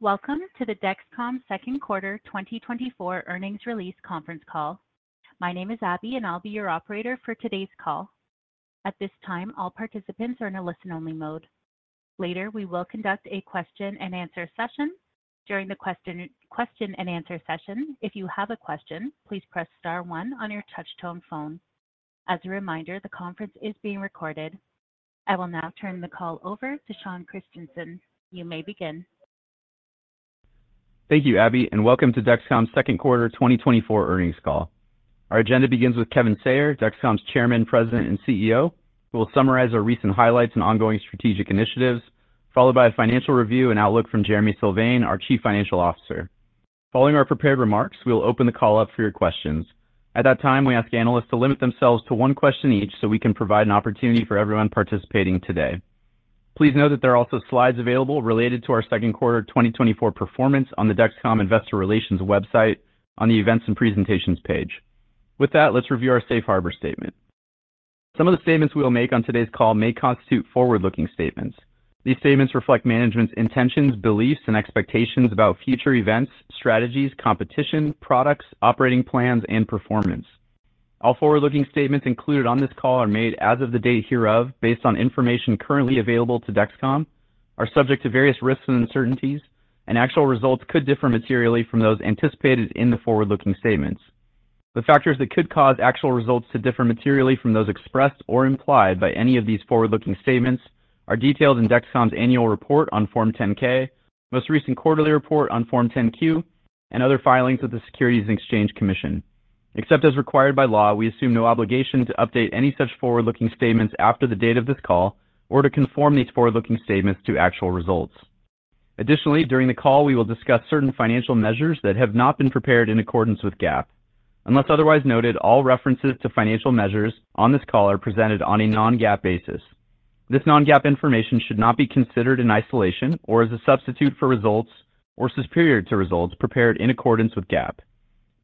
Welcome to the Dexcom Second Quarter 2024 earnings release conference call. My name is Abby, and I'll be your operator for today's call. At this time, all participants are in a listen-only mode. Later, we will conduct a question-and-answer session. During the question-and-answer session, if you have a question, please press star one on your touch-tone phone. As a reminder, the conference is being recorded. I will now turn the call over to Sean Christensen. You may begin. Thank you, Abby, and welcome to Dexcom's second quarter 2024 earnings call. Our agenda begins with Kevin Sayer, Dexcom's Chairman, President, and CEO, who will summarize our recent highlights and ongoing strategic initiatives, followed by a financial review and outlook from Jereme Sylvain, our Chief Financial Officer. Following our prepared remarks, we will open the call up for your questions. At that time, we ask analysts to limit themselves to one question each, so we can provide an opportunity for everyone participating today. Please note that there are also slides available related to our second quarter 2024 performance on the Dexcom Investor Relations website on the Events and Presentations page. With that, let's review our Safe Harbor statement. Some of the statements we'll make on today's call may constitute forward-looking statements. These statements reflect management's intentions, beliefs, and expectations about future events, strategies, competition, products, operating plans, and performance. All forward-looking statements included on this call are made as of the date hereof, based on information currently available to Dexcom, are subject to various risks and uncertainties, and actual results could differ materially from those anticipated in the forward-looking statements. The factors that could cause actual results to differ materially from those expressed or implied by any of these forward-looking statements are detailed in Dexcom's annual report on Form 10-K, most recent quarterly report on Form 10-Q, and other filings with the Securities and Exchange Commission. Except as required by law, we assume no obligation to update any such forward-looking statements after the date of this call or to conform these forward-looking statements to actual results. Additionally, during the call, we will discuss certain financial measures that have not been prepared in accordance with GAAP. Unless otherwise noted, all references to financial measures on this call are presented on a non-GAAP basis. This non-GAAP information should not be considered in isolation or as a substitute for results or superior to results prepared in accordance with GAAP.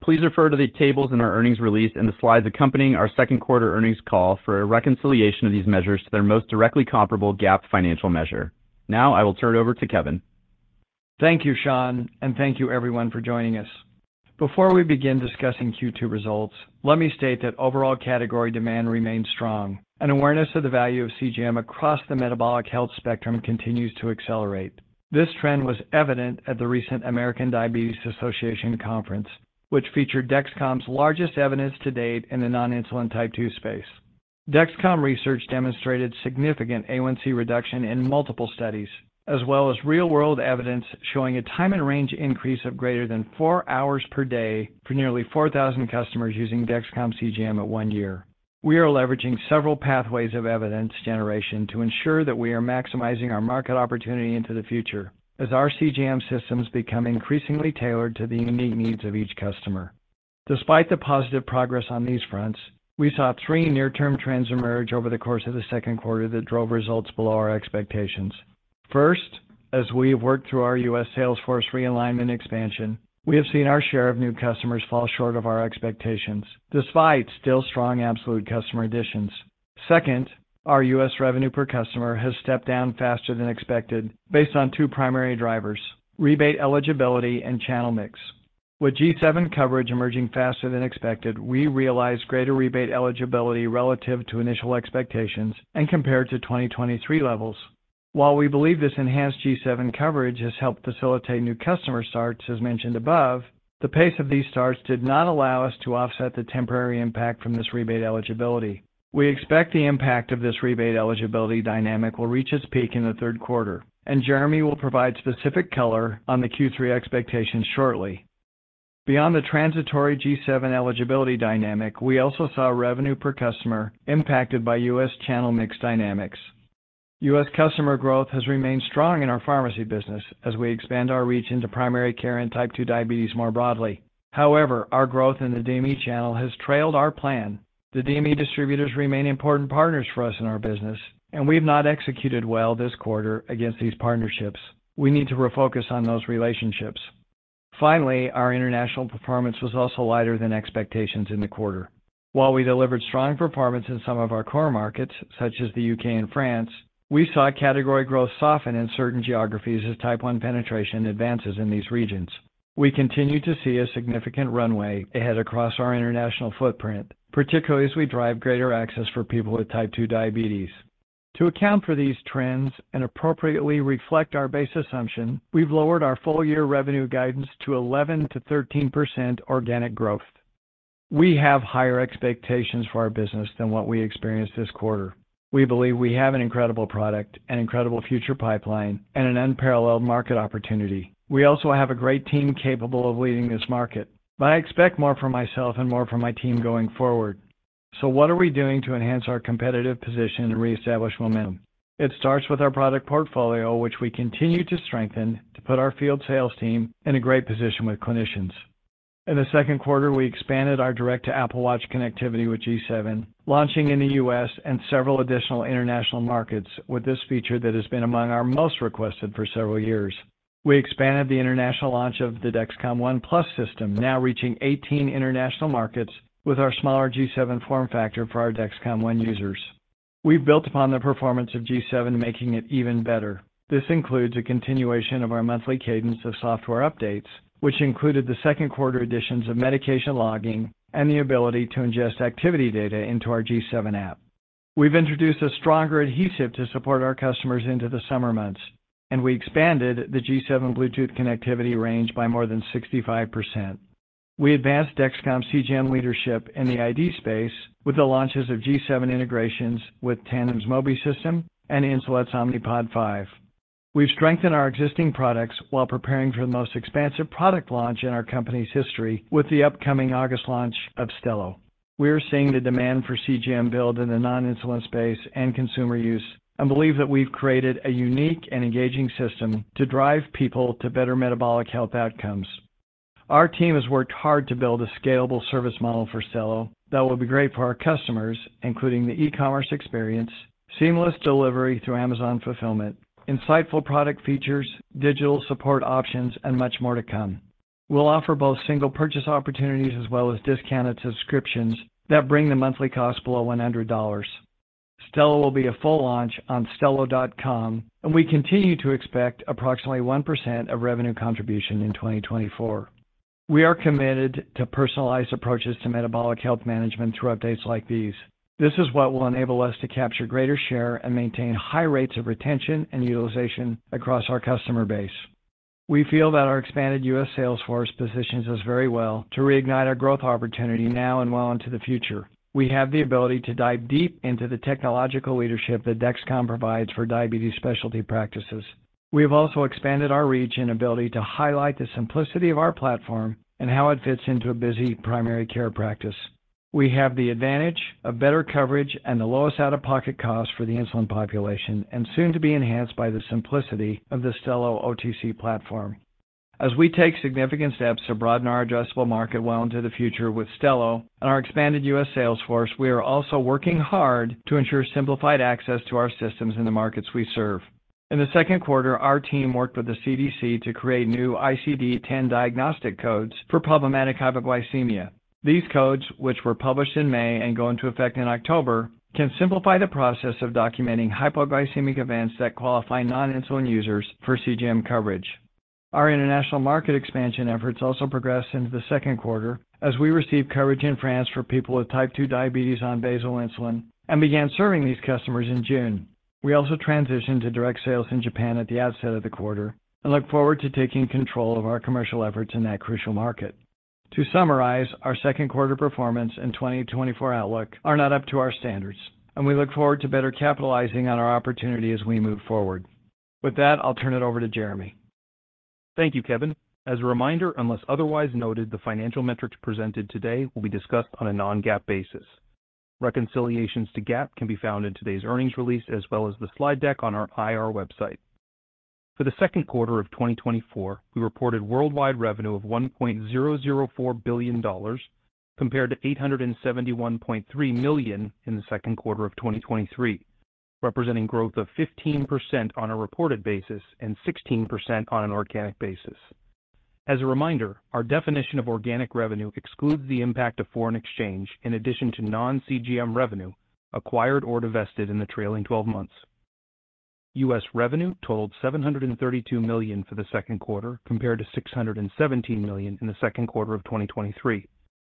Please refer to the tables in our earnings release and the slides accompanying our second quarter earnings call for a reconciliation of these measures to their most directly comparable GAAP financial measure. Now, I will turn it over to Kevin. Thank you, Sean, and thank you everyone for joining us. Before we begin discussing Q2 results, let me state that overall category demand remains strong, and awareness of the value of CGM across the metabolic health spectrum continues to accelerate. This trend was evident at the recent American Diabetes Association Conference, which featured Dexcom's largest evidence to date in the non-insulin type 2 space. Dexcom Research demonstrated significant A1C reduction in multiple studies, as well as real-world evidence showing a time in range increase of greater than four hours per day for nearly 4,000 customers using Dexcom CGM at one year. We are leveraging several pathways of evidence generation to ensure that we are maximizing our market opportunity into the future as our CGM systems become increasingly tailored to the unique needs of each customer. Despite the positive progress on these fronts, we saw three near-term trends emerge over the course of the second quarter that drove results below our expectations. First, as we have worked through our U.S. sales force realignment expansion, we have seen our share of new customers fall short of our expectations, despite still strong absolute customer additions. Second, our U.S. revenue per customer has stepped down faster than expected based on two primary drivers: rebate eligibility and channel mix. With G7 coverage emerging faster than expected, we realized greater rebate eligibility relative to initial expectations and compared to 2023 levels. While we believe this enhanced G7 coverage has helped facilitate new customer starts, as mentioned above, the pace of these starts did not allow us to offset the temporary impact from this rebate eligibility. We expect the impact of this rebate eligibility dynamic will reach its peak in the third quarter, and Jereme will provide specific color on the Q3 expectations shortly. Beyond the transitory G7 eligibility dynamic, we also saw revenue per customer impacted by U.S. channel mix dynamics. U.S. customer growth has remained strong in our pharmacy business as we expand our reach into primary care and type 2 diabetes more broadly. However, our growth in the DME channel has trailed our plan. The DME distributors remain important partners for us in our business, and we've not executed well this quarter against these partnerships. We need to refocus on those relationships. Finally, our international performance was also lighter than expectations in the quarter. While we delivered strong performance in some of our core markets, such as the U.K. and France, we saw category growth soften in certain geographies as type 1 penetration advances in these regions. We continue to see a significant runway ahead across our international footprint, particularly as we drive greater access for people with type 2 diabetes. To account for these trends and appropriately reflect our base assumption, we've lowered our full year revenue guidance to 11%-13% organic growth. We have higher expectations for our business than what we experienced this quarter. We believe we have an incredible product, an incredible future pipeline, and an unparalleled market opportunity. We also have a great team capable of leading this market, but I expect more from myself and more from my team going forward. So what are we doing to enhance our competitive position and reestablish momentum? It starts with our product portfolio, which we continue to strengthen to put our field sales team in a great position with clinicians. In the second quarter, we expanded our direct-to-Apple Watch connectivity with G7, launching in the U.S. and several additional international markets, with this feature that has been among our most requested for several years. We expanded the international launch of the Dexcom ONE+ system, now reaching 18 international markets with our smaller G7 form factor for our Dexcom ONE users. We've built upon the performance of G7, making it even better. This includes a continuation of our monthly cadence of software updates, which included the second quarter additions of medication logging and the ability to ingest activity data into our G7 app. We've introduced a stronger adhesive to support our customers into the summer months, and we expanded the G7 Bluetooth connectivity range by more than 65%. We advanced Dexcom CGM leadership in the AID space with the launches of G7 integrations with Tandem's Mobi and Insulet's Omnipod 5. We've strengthened our existing products while preparing for the most expansive product launch in our company's history with the upcoming August launch of Stelo. We are seeing the demand for CGM build in the non-insulin space and consumer use, and believe that we've created a unique and engaging system to drive people to better metabolic health outcomes. Our team has worked hard to build a scalable service model for Stelo that will be great for our customers, including the e-commerce experience, seamless delivery through Amazon Fulfillment, insightful product features, digital support options, and much more to come. We'll offer both single purchase opportunities as well as discounted subscriptions that bring the monthly cost below $100. Stelo will be a full launch on stelo.com, and we continue to expect approximately 1% of revenue contribution in 2024. We are committed to personalized approaches to metabolic health management through updates like these. This is what will enable us to capture a greater share and maintain high rates of retention and utilization across our customer base. We feel that our expanded U.S. sales force physicians us very well to reignite our growth opportunity now and well into the future. We have the ability to dive deep into the technological leadership that Dexcom provides for diabetes specialty practices. We have also expanded our reach and ability to highlight the simplicity of our platform and how it fits into a busy primary care practice. We have the advantage of better coverage and the lowest out-of-pocket costs for the insulin population, and soon to be enhanced by the simplicity of the Stelo OTC platform. As we take significant steps to broaden our addressable market well into the future with Stelo and our expanded U.S. sales force, we are also working hard to ensure simplified access to our systems in the markets we serve. In the second quarter, our team worked with the CDC to create new ICD-10 diagnostic codes for problematic hypoglycemia. These codes, which were published in May and go into effect in October, can simplify the process of documenting hypoglycemic events that qualify non-insulin users for CGM coverage. Our international market expansion efforts also progressed into the second quarter as we received coverage in France for people with type 2 diabetes on basal insulin and began serving these customers in June. We also transitioned to direct sales in Japan at the outset of the quarter and look forward to taking control of our commercial efforts in that crucial market. To summarize, our second quarter performance and 2024 outlook are not up to our standards, and we look forward to better capitalizing on our opportunity as we move forward. With that, I'll turn it over to Jereme. Thank you, Kevin. As a reminder, unless otherwise noted, the financial metrics presented today will be discussed on a non-GAAP basis. Reconciliations to GAAP can be found in today's earnings release, as well as the slide deck on our IR website. For the second quarter of 2024, we reported worldwide revenue of $1.004 billion, compared to $871.3 million in the second quarter of 2023, representing growth of 15% on a reported basis and 16% on an organic basis. As a reminder, our definition of organic revenue excludes the impact of foreign exchange in addition to non-CGM revenue, acquired or divested in the trailing twelve months. U.S. revenue totaled $732 million for the second quarter, compared to $617 million in the second quarter of 2023,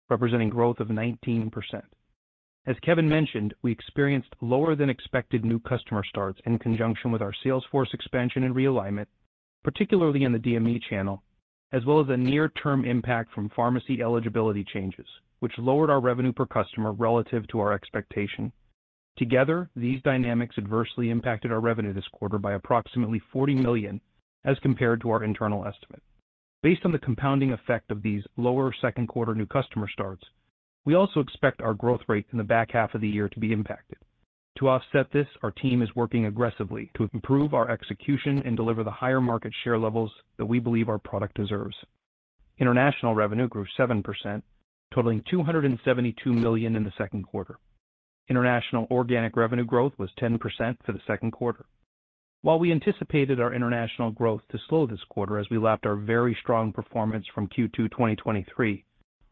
representing growth of 19%. As Kevin mentioned, we experienced lower-than-expected new customer starts in conjunction with our sales force expansion and realignment, particularly in the DME channel, as well as a near-term impact from pharmacy eligibility changes, which lowered our revenue per customer relative to our expectation. Together, these dynamics adversely impacted our revenue this quarter by approximately $40 million as compared to our internal estimate. Based on the compounding effect of these lower second quarter new customer starts, we also expect our growth rate in the back half of the year to be impacted. To offset this, our team is working aggressively to improve our execution and deliver the higher market share levels that we believe our product deserves. International revenue grew 7%, totaling $272 million in the second quarter. International organic revenue growth was 10% for the second quarter. While we anticipated our international growth to slow this quarter as we lapped our very strong performance from Q2 2023,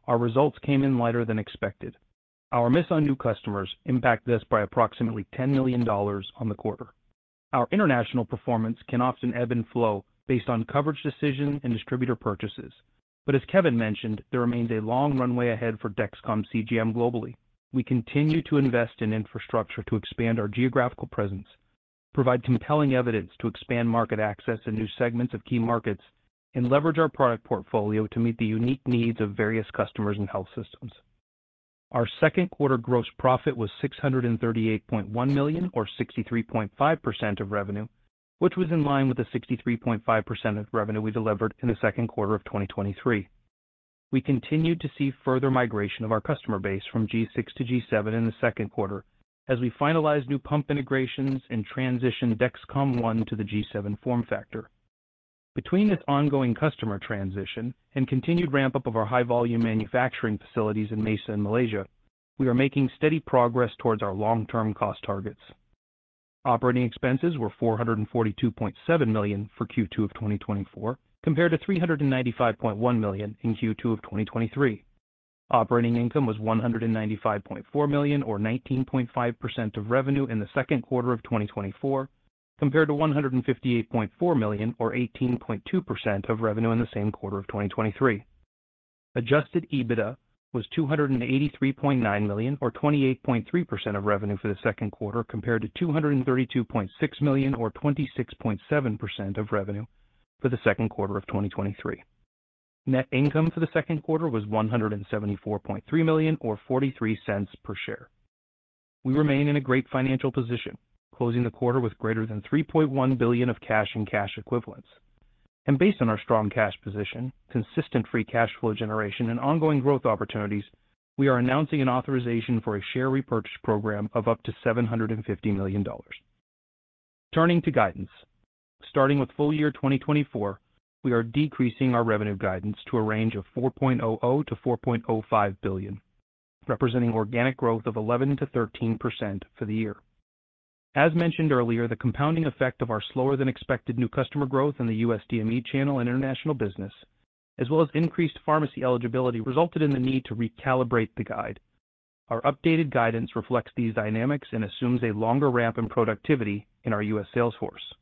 our results came in lighter than expected. Our miss on new customers impacted us by approximately $10 million on the quarter. Our international performance can often ebb and flow based on coverage decisions and distributor purchases, but as Kevin mentioned, there remains a long runway ahead for Dexcom CGM globally. We continue to invest in infrastructure to expand our geographical presence, provide compelling evidence to expand market access in new segments of key markets, and leverage our product portfolio to meet the unique needs of various customers and health systems. Our second quarter gross profit was $638.1 million, or 63.5% of revenue, which was in line with the 63.5% of revenue we delivered in the second quarter of 2023. We continued to see further migration of our customer base from G6 to G7 in the second quarter as we finalized new pump integrations and transitioned Dexcom ONE to the G7 form factor. Between this ongoing customer transition and continued ramp-up of our high-volume manufacturing facilities in Mesa and Malaysia, we are making steady progress towards our long-term cost targets. Operating expenses were $442.7 million for Q2 of 2024, compared to $395.1 million in Q2 of 2023. Operating income was $195.4 million, or 19.5% of revenue in the second quarter of 2024, compared to $158.4 million, or 18.2% of revenue in the same quarter of 2023. Adjusted EBITDA was $283.9 million, or 28.3% of revenue for the second quarter, compared to $232.6 million, or 26.7% of revenue for the second quarter of 2023. Net income for the second quarter was $174.3 million, or $0.43 per share. We remain in a great financial position, closing the quarter with greater than $3.1 billion of cash and cash equivalents. Based on our strong cash position, consistent free cash flow generation, and ongoing growth opportunities, we are announcing an authorization for a share repurchase program of up to $750 million. Turning to guidance. Starting with full-year 2024, we are decreasing our revenue guidance to a range of $4.00 billion-$4.05 billion, representing organic growth of 11%-13% for the year. As mentioned earlier, the compounding effect of our slower-than-expected new customer growth in the U.S. DME channel and international business, as well as increased pharmacy eligibility, resulted in the need to recalibrate the guide. Our updated guidance reflects these dynamics and assumes a longer ramp in productivity in our U.S. sales force.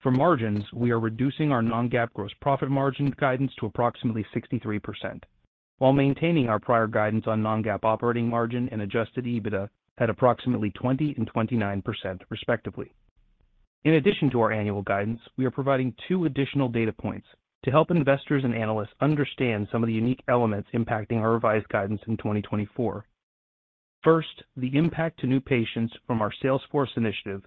For margins, we are reducing our non-GAAP gross profit margin guidance to approximately 63%, while maintaining our prior guidance on non-GAAP operating margin and adjusted EBITDA at approximately 20% and 29% respectively. In addition to our annual guidance, we are providing two additional data points to help investors and analysts understand some of the unique elements impacting our revised guidance in 2024. First, the impact to new patients from our sales force initiative,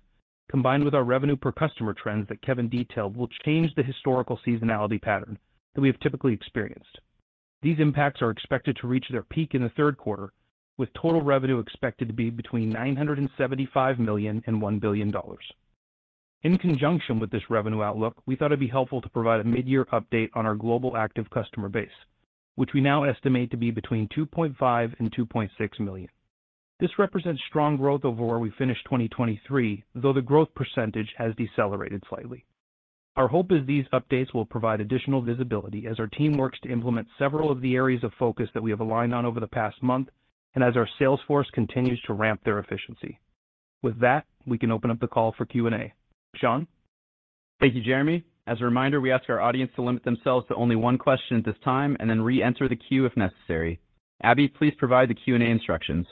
combined with our revenue per customer trends that Kevin detailed, will change the historical seasonality pattern that we have typically experienced. These impacts are expected to reach their peak in the third quarter, with total revenue expected to be between $975 million and $1 billion. In conjunction with this revenue outlook, we thought it'd be helpful to provide a mid-year update on our global active customer base, which we now estimate to be between 2.5 million and 2.6 million. This represents strong growth over where we finished 2023, though the growth percentage has decelerated slightly. Our hope is these updates will provide additional visibility as our team works to implement several of the areas of focus that we have aligned on over the past month, and as our sales force continues to ramp their efficiency. With that, we can open up the call for Q&A. Sean? Thank you, Jereme. As a reminder, we ask our audience to limit themselves to only one question at this time and then reenter the queue if necessary. Abby, please provide the Q&A instructions.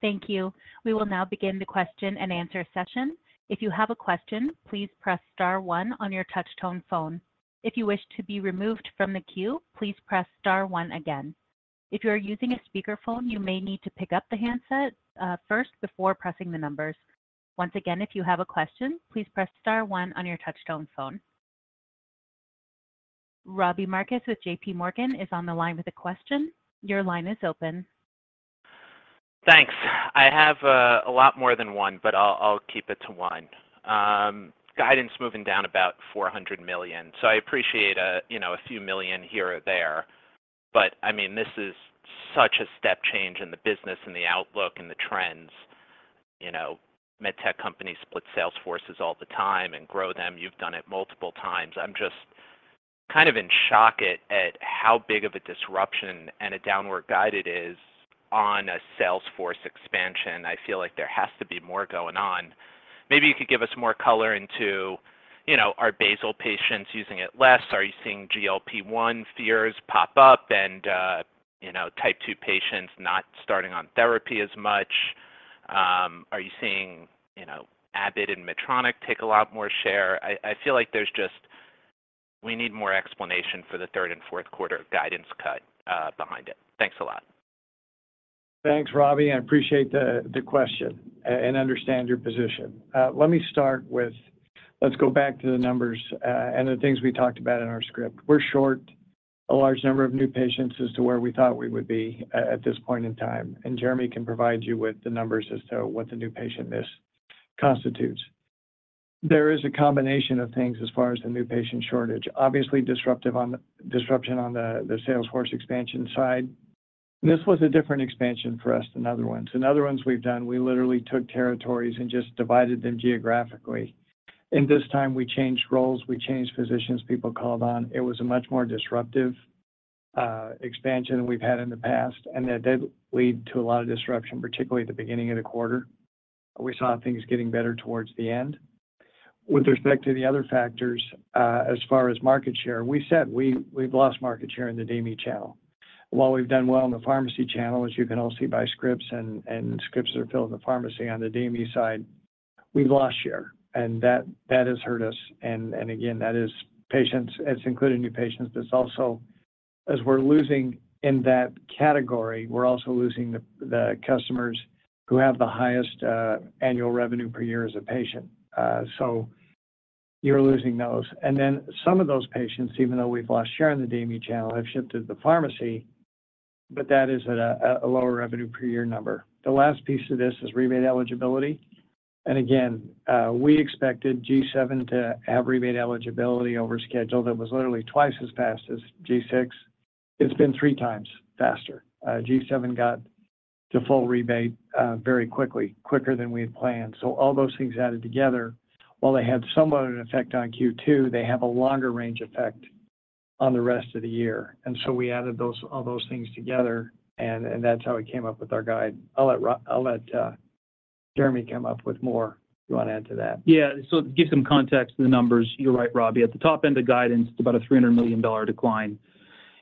Thank you. We will now begin the question-and-answer session. If you have a question, please press star one on your touch-tone phone. If you wish to be removed from the queue, please press star one again. If you are using a speakerphone, you may need to pick up the handset first before pressing the numbers. Once again, if you have a question, please press star one on your touch-tone phone. Robbie Marcus with J.P. Morgan is on the line with a question. Your line is open. Thanks. I have a lot more than one, but I'll keep it to one. Guidance moving down about $400 million. So I appreciate, you know, a few million here or there, but, I mean, this is such a step change in the business and the outlook and the trends. You know, med tech companies split sales forces all the time and grow them. You've done it multiple times. I'm just kind of in shock at how big of a disruption and a downward guide it is on a sales force expansion. I feel like there has to be more going on. Maybe you could give us more color into, you know, are basal patients using it less? Are you seeing GLP-1 fears pop up and, you know, type 2 patients not starting on therapy as much? Are you seeing, you know, Abbott and Medtronic take a lot more share? I feel like there's just, we need more explanation for the third and fourth quarter guidance cut behind it. Thanks a lot. Thanks, Robbie. I appreciate the question and understand your position. Let me start with, let's go back to the numbers and the things we talked about in our script. We're short a large number of new patients as to where we thought we would be at this point in time, and Jereme can provide you with the numbers as to what the new patient miss constitutes. There is a combination of things as far as the new patient shortage. Obviously, disruption on the sales force expansion side. This was a different expansion for us than other ones. In other ones we've done, we literally took territories and just divided them geographically. And this time we changed roles, we changed positions, people called on. It was a much more disruptive expansion than we've had in the past, and that did lead to a lot of disruption, particularly at the beginning of the quarter. We saw things getting better towards the end. With respect to the other factors, as far as market share, we said we've lost market share in the DME channel. While we've done well in the pharmacy channel, as you can all see by scripts and scripts that are filled in the pharmacy, on the DME side, we've lost share, and that has hurt us. And again, that is patients, it's including new patients. That's also, as we're losing in that category, we're also losing the customers who have the highest annual revenue per year as a patient. So you're losing those. And then some of those patients, even though we've lost share in the DME channel, have shifted to the pharmacy, but that is at a lower revenue per year number. The last piece of this is rebate eligibility. And again, we expected G7 to have rebate eligibility over schedule that was literally twice as fast as G6.... It's been three times faster. G7 got to full rebate very quickly, quicker than we had planned. So all those things added together, while they had somewhat of an effect on Q2, they have a longer range effect on the rest of the year. And so we added those, all those things together, and that's how we came up with our guide. I'll let Jereme come up with more, if you wanna add to that. Yeah. So to give some context to the numbers, you're right, Robbie. At the top end of guidance, it's about a $300 million decline.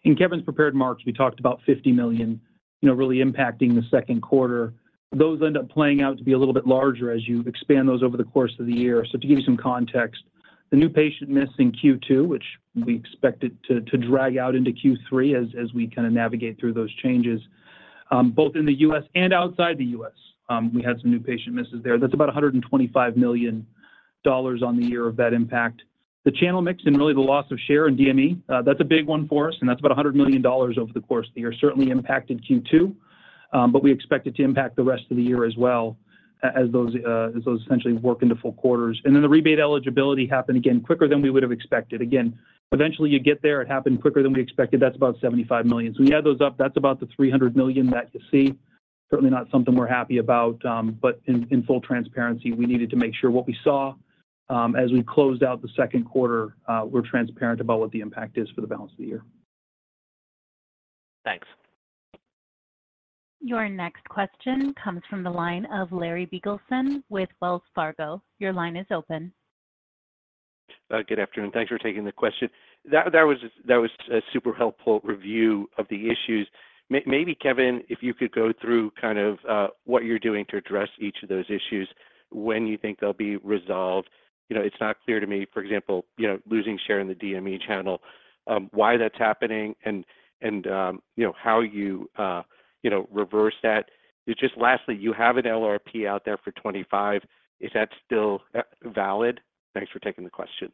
In Kevin's prepared remarks, we talked about $50 million, you know, really impacting the second quarter. Those end up playing out to be a little bit larger as you expand those over the course of the year. So to give you some context, the new patient miss in Q2, which we expected to drag out into Q3 as we kinda navigate through those changes, both in the U.S. and outside the U.S., we had some new patient misses there. That's about a $125 million on the year of that impact. The channel mix and really the loss of share in DME, that's a big one for us, and that's about $100 million over the course of the year. Certainly impacted Q2, but we expect it to impact the rest of the year as well, as those, as those essentially work into full quarters. And then the rebate eligibility happened again quicker than we would have expected. Again, eventually, you get there. It happened quicker than we expected. That's about $75 million. So when you add those up, that's about the $300 million that you see. Certainly not something we're happy about, but in, in full transparency, we needed to make sure what we saw, as we closed out the second quarter, we're transparent about what the impact is for the balance of the year. Thanks. Your next question comes from the line of Larry Biegelsen with Wells Fargo. Your line is open. Good afternoon. Thanks for taking the question. That was a super helpful review of the issues. Maybe Kevin, if you could go through kind of what you're doing to address each of those issues, when you think they'll be resolved. You know, it's not clear to me, for example, you know, losing share in the DME channel, why that's happening and you know how you reverse that. Just lastly, you have an LRP out there for 2025. Is that still valid? Thanks for taking the question.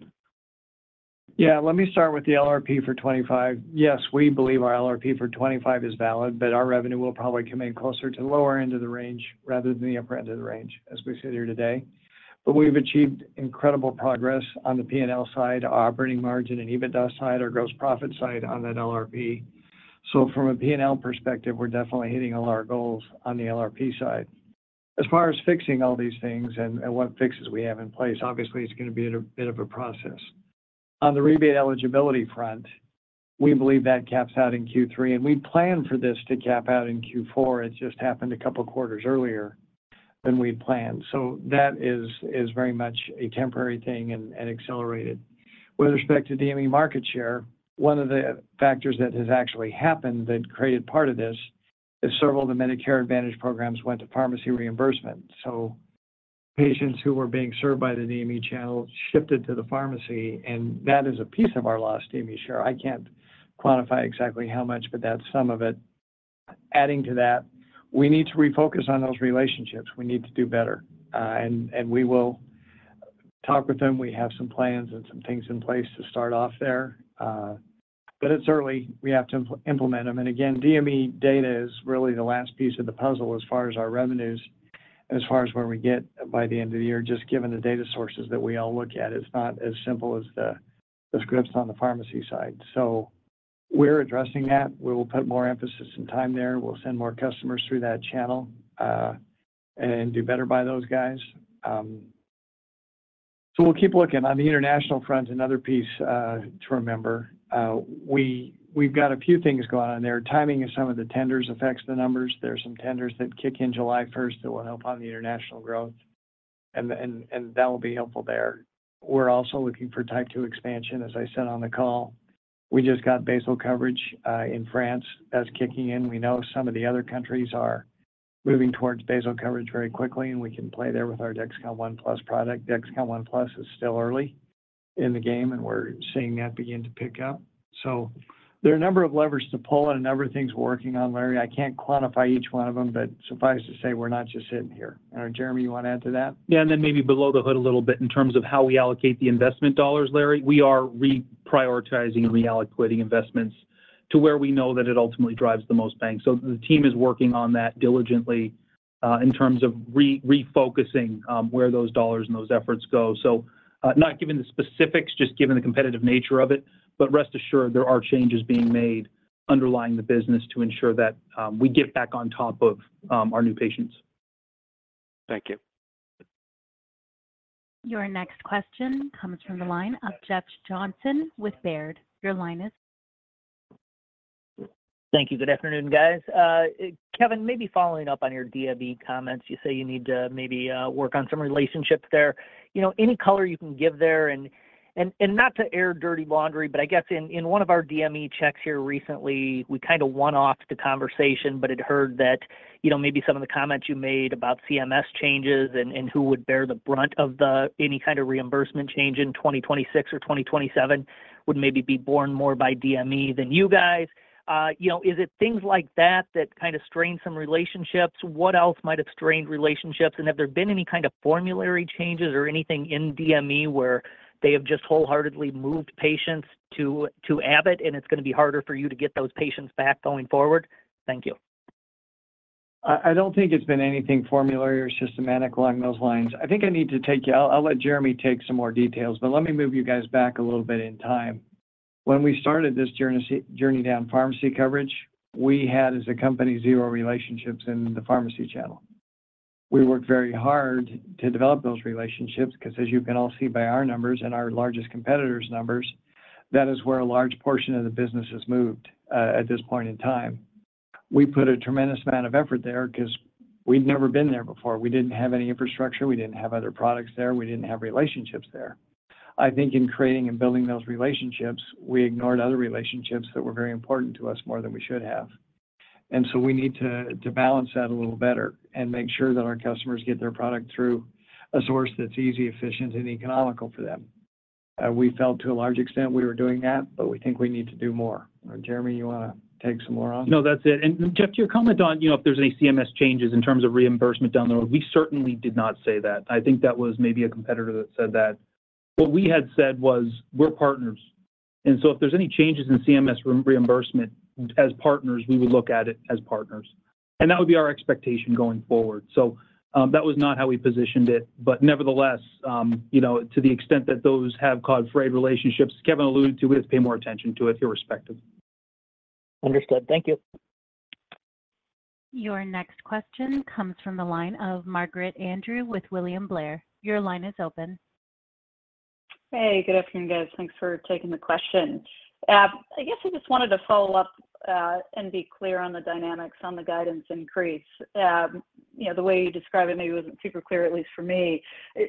Yeah, let me start with the LRP for 2025. Yes, we believe our LRP for 2025 is valid, but our revenue will probably come in closer to the lower end of the range rather than the upper end of the range, as we sit here today. But we've achieved incredible progress on the P&L side, operating margin and EBITDA side, our gross profit side on that LRP. So from a P&L perspective, we're definitely hitting all our goals on the LRP side. As far as fixing all these things and, and what fixes we have in place, obviously, it's gonna be a bit of a process. On the rebate eligibility front, we believe that caps out in Q3, and we planned for this to cap out in Q4. It just happened a couple of quarters earlier than we'd planned. So that is very much a temporary thing and accelerated. With respect to DME market share, one of the factors that has actually happened that created part of this is several of the Medicare Advantage programs went to pharmacy reimbursement. So patients who were being served by the DME channel shifted to the pharmacy, and that is a piece of our lost DME share. I can't quantify exactly how much, but that's some of it. Adding to that, we need to refocus on those relationships. We need to do better, and we will talk with them. We have some plans and some things in place to start off there, but it's early. We have to implement them. Again, DME data is really the last piece of the puzzle as far as our revenues, as far as where we get by the end of the year, just given the data sources that we all look at. It's not as simple as the scripts on the pharmacy side. So we're addressing that. We will put more emphasis and time there. We'll send more customers through that channel, and do better by those guys. So we'll keep looking. On the international front, another piece to remember, we've got a few things going on there. Timing of some of the tenders affects the numbers. There are some tenders that kick in July first that will help on the international growth, and that will be helpful there. We're also looking for type 2 expansion, as I said on the call. We just got basal coverage in France that's kicking in. We know some of the other countries are moving towards basal coverage very quickly, and we can play there with our Dexcom ONE+ product. Dexcom ONE+ is still early in the game, and we're seeing that begin to pick up. So there are a number of levers to pull and a number of things we're working on, Larry. I can't quantify each one of them, but suffice to say, we're not just sitting here. Jereme, you want to add to that? Yeah, and then maybe below the hood a little bit in terms of how we allocate the investment dollars, Larry, we are reprioritizing and reallocating investments to where we know that it ultimately drives the most bang. So the team is working on that diligently in terms of refocusing where those dollars and those efforts go. So, not giving the specifics, just given the competitive nature of it, but rest assured, there are changes being made underlying the business to ensure that we get back on top of our new patients. Thank you. Your next question comes from the line of Jeff Johnson with Baird. Your line is open. Thank you. Good afternoon, guys. Kevin, maybe following up on your DME comments, you say you need to maybe work on some relationships there. You know, any color you can give there, and not to air dirty laundry, but I guess in one of our DME checks here recently, we kinda one-off the conversation, but it heard that, you know, maybe some of the comments you made about CMS changes and who would bear the brunt of the any kind of reimbursement change in 2026 or 2027, would maybe be borne more by DME than you guys. You know, is it things like that that kinda strain some relationships? What else might have strained relationships? Have there been any kind of formulary changes or anything in DME where they have just wholeheartedly moved patients to, to Abbott, and it's gonna be harder for you to get those patients back going forward? Thank you. I don't think it's been anything formulary or systematic along those lines. I think I need to take you. I'll let Jereme take some more details, but let me move you guys back a little bit in time. When we started this journey journey down pharmacy coverage, we had, as a company, zero relationships in the pharmacy channel. We worked very hard to develop those relationships 'cause as you can all see by our numbers and our largest competitors' numbers, that is where a large portion of the business has moved at this point in time. We put a tremendous amount of effort there 'cause we'd never been there before. We didn't have any infrastructure, we didn't have other products there, we didn't have relationships there. I think in creating and building those relationships, we ignored other relationships that were very important to us more than we should have. And so we need to balance that a little better and make sure that our customers get their product through a source that's easy, efficient, and economical for them. We felt to a large extent we were doing that, but we think we need to do more. Jereme, you wanna take some more on? No, that's it. Jeff, to your comment on, you know, if there's any CMS changes in terms of reimbursement down the road, we certainly did not say that. I think that was maybe a competitor that said that. What we had said was, "We're partners, and so if there's any changes in CMS reimbursement, as partners, we would look at it as partners." And that would be our expectation going forward. So, that was not how we positioned it. But nevertheless, you know, to the extent that those have caused frayed relationships, Kevin alluded to, we just pay more attention to it irrespective. Understood. Thank you. Your next question comes from the line of Margaret Andrew with William Blair. Your line is open. Hey, good afternoon, guys. Thanks for taking the question. I guess I just wanted to follow up and be clear on the dynamics on the guidance increase. You know, the way you described it maybe wasn't super clear, at least for me.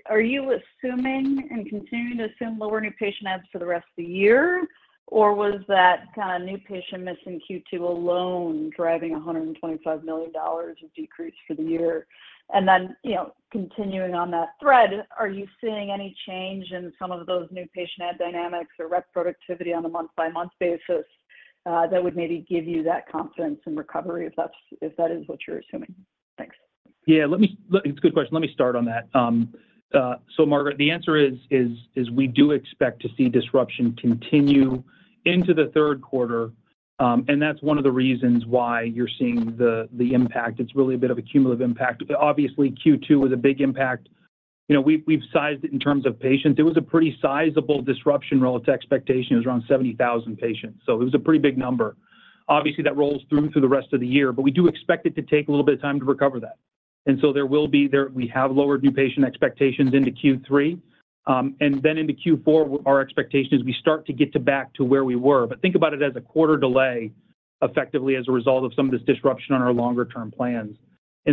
Are you assuming and continuing to assume lower new patient adds for the rest of the year? Or was that kind of new patient missing Q2 alone, driving $125 million of decrease for the year? And then, you know, continuing on that thread, are you seeing any change in some of those new patient ad dynamics or rep productivity on a month-by-month basis that would maybe give you that confidence and recovery, if that is what you're assuming? Thanks. Yeah, let me. It's a good question. Let me start on that. So Margaret, the answer is we do expect to see disruption continue into the third quarter, and that's one of the reasons why you're seeing the impact. It's really a bit of a cumulative impact. Obviously, Q2 was a big impact. You know, we've sized it in terms of patients. It was a pretty sizable disruption relative to expectation. It was around 70,000 patients, so it was a pretty big number. Obviously, that rolls through to the rest of the year, but we do expect it to take a little bit of time to recover that. And so there will be, we have lowered new patient expectations into Q3. And then into Q4, our expectation is we start to get back to where we were. But think about it as a quarter delay, effectively, as a result of some of this disruption on our longer term plans.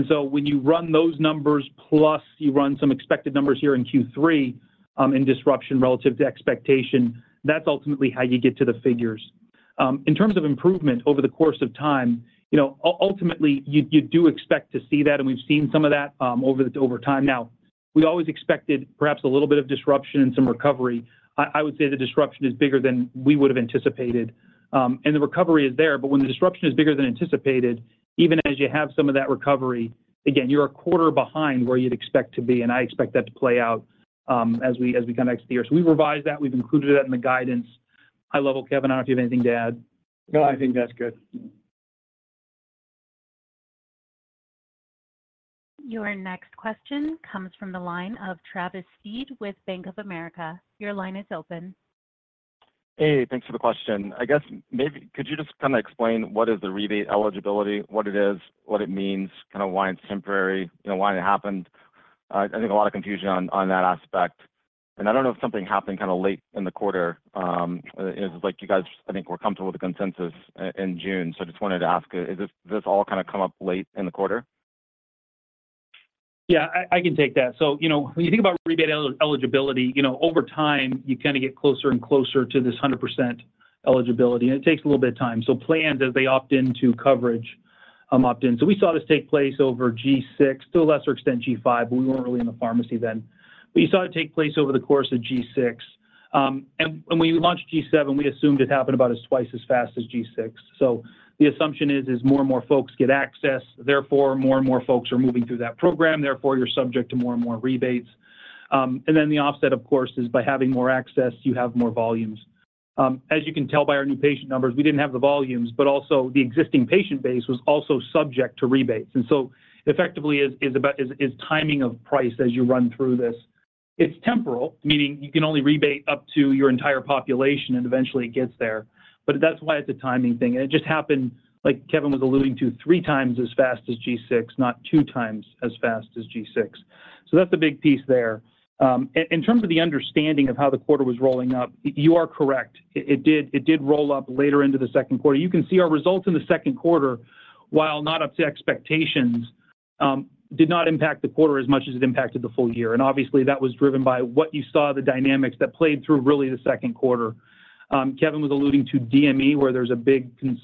So when you run those numbers, plus you run some expected numbers here in Q3, in disruption relative to expectation, that's ultimately how you get to the figures. In terms of improvement over the course of time, you know, ultimately, you do expect to see that, and we've seen some of that, over time. Now, we always expected perhaps a little bit of disruption and some recovery. I would say the disruption is bigger than we would have anticipated, and the recovery is there. But when the disruption is bigger than anticipated, even as you have some of that recovery, again, you're a quarter behind where you'd expect to be, and I expect that to play out as we come next year. So we revised that. We've included that in the guidance. High level, Kevin, I don't know if you have anything to add. No, I think that's good. Your next question comes from the line of Travis Steed with Bank of America. Your line is open. Hey, thanks for the question. I guess maybe could you just kinda explain what is the rebate eligibility, what it is, what it means, kind of why it's temporary, you know, why it happened? I think a lot of confusion on that aspect, and I don't know if something happened kinda late in the quarter. It's like you guys, I think, were comfortable with the consensus in June. So I just wanted to ask, did this all kinda come up late in the quarter? Yeah, I can take that. So, you know, when you think about rebate eligibility, you know, over time, you kinda get closer and closer to this 100% eligibility, and it takes a little bit of time. So plans, as they opt into coverage, opt in. So we saw this take place over G6, to a lesser extent G5, but we weren't really in the pharmacy then. We saw it take place over the course of G6. And when we launched G7, we assumed it happened about as twice as fast as G6. So the assumption is more and more folks get access, therefore, more and more folks are moving through that program, therefore, you're subject to more and more rebates. And then the offset, of course, is by having more access, you have more volumes. As you can tell by our new patient numbers, we didn't have the volumes, but also the existing patient base was also subject to rebates. And so effectively is about timing of price as you run through this. It's temporal, meaning you can only rebate up to your entire population and eventually it gets there. But that's why it's a timing thing. And it just happened, like Kevin was alluding to, three times as fast as G6, not two times as fast as G6. So that's a big piece there. In terms of the understanding of how the quarter was rolling out, you are correct. It did roll up later into the second quarter. You can see our results in the second quarter, while not up to expectations, did not impact the quarter as much as it impacted the full year. Obviously, that was driven by what you saw, the dynamics that played through really the second quarter. Kevin was alluding to DME, where there's a big con--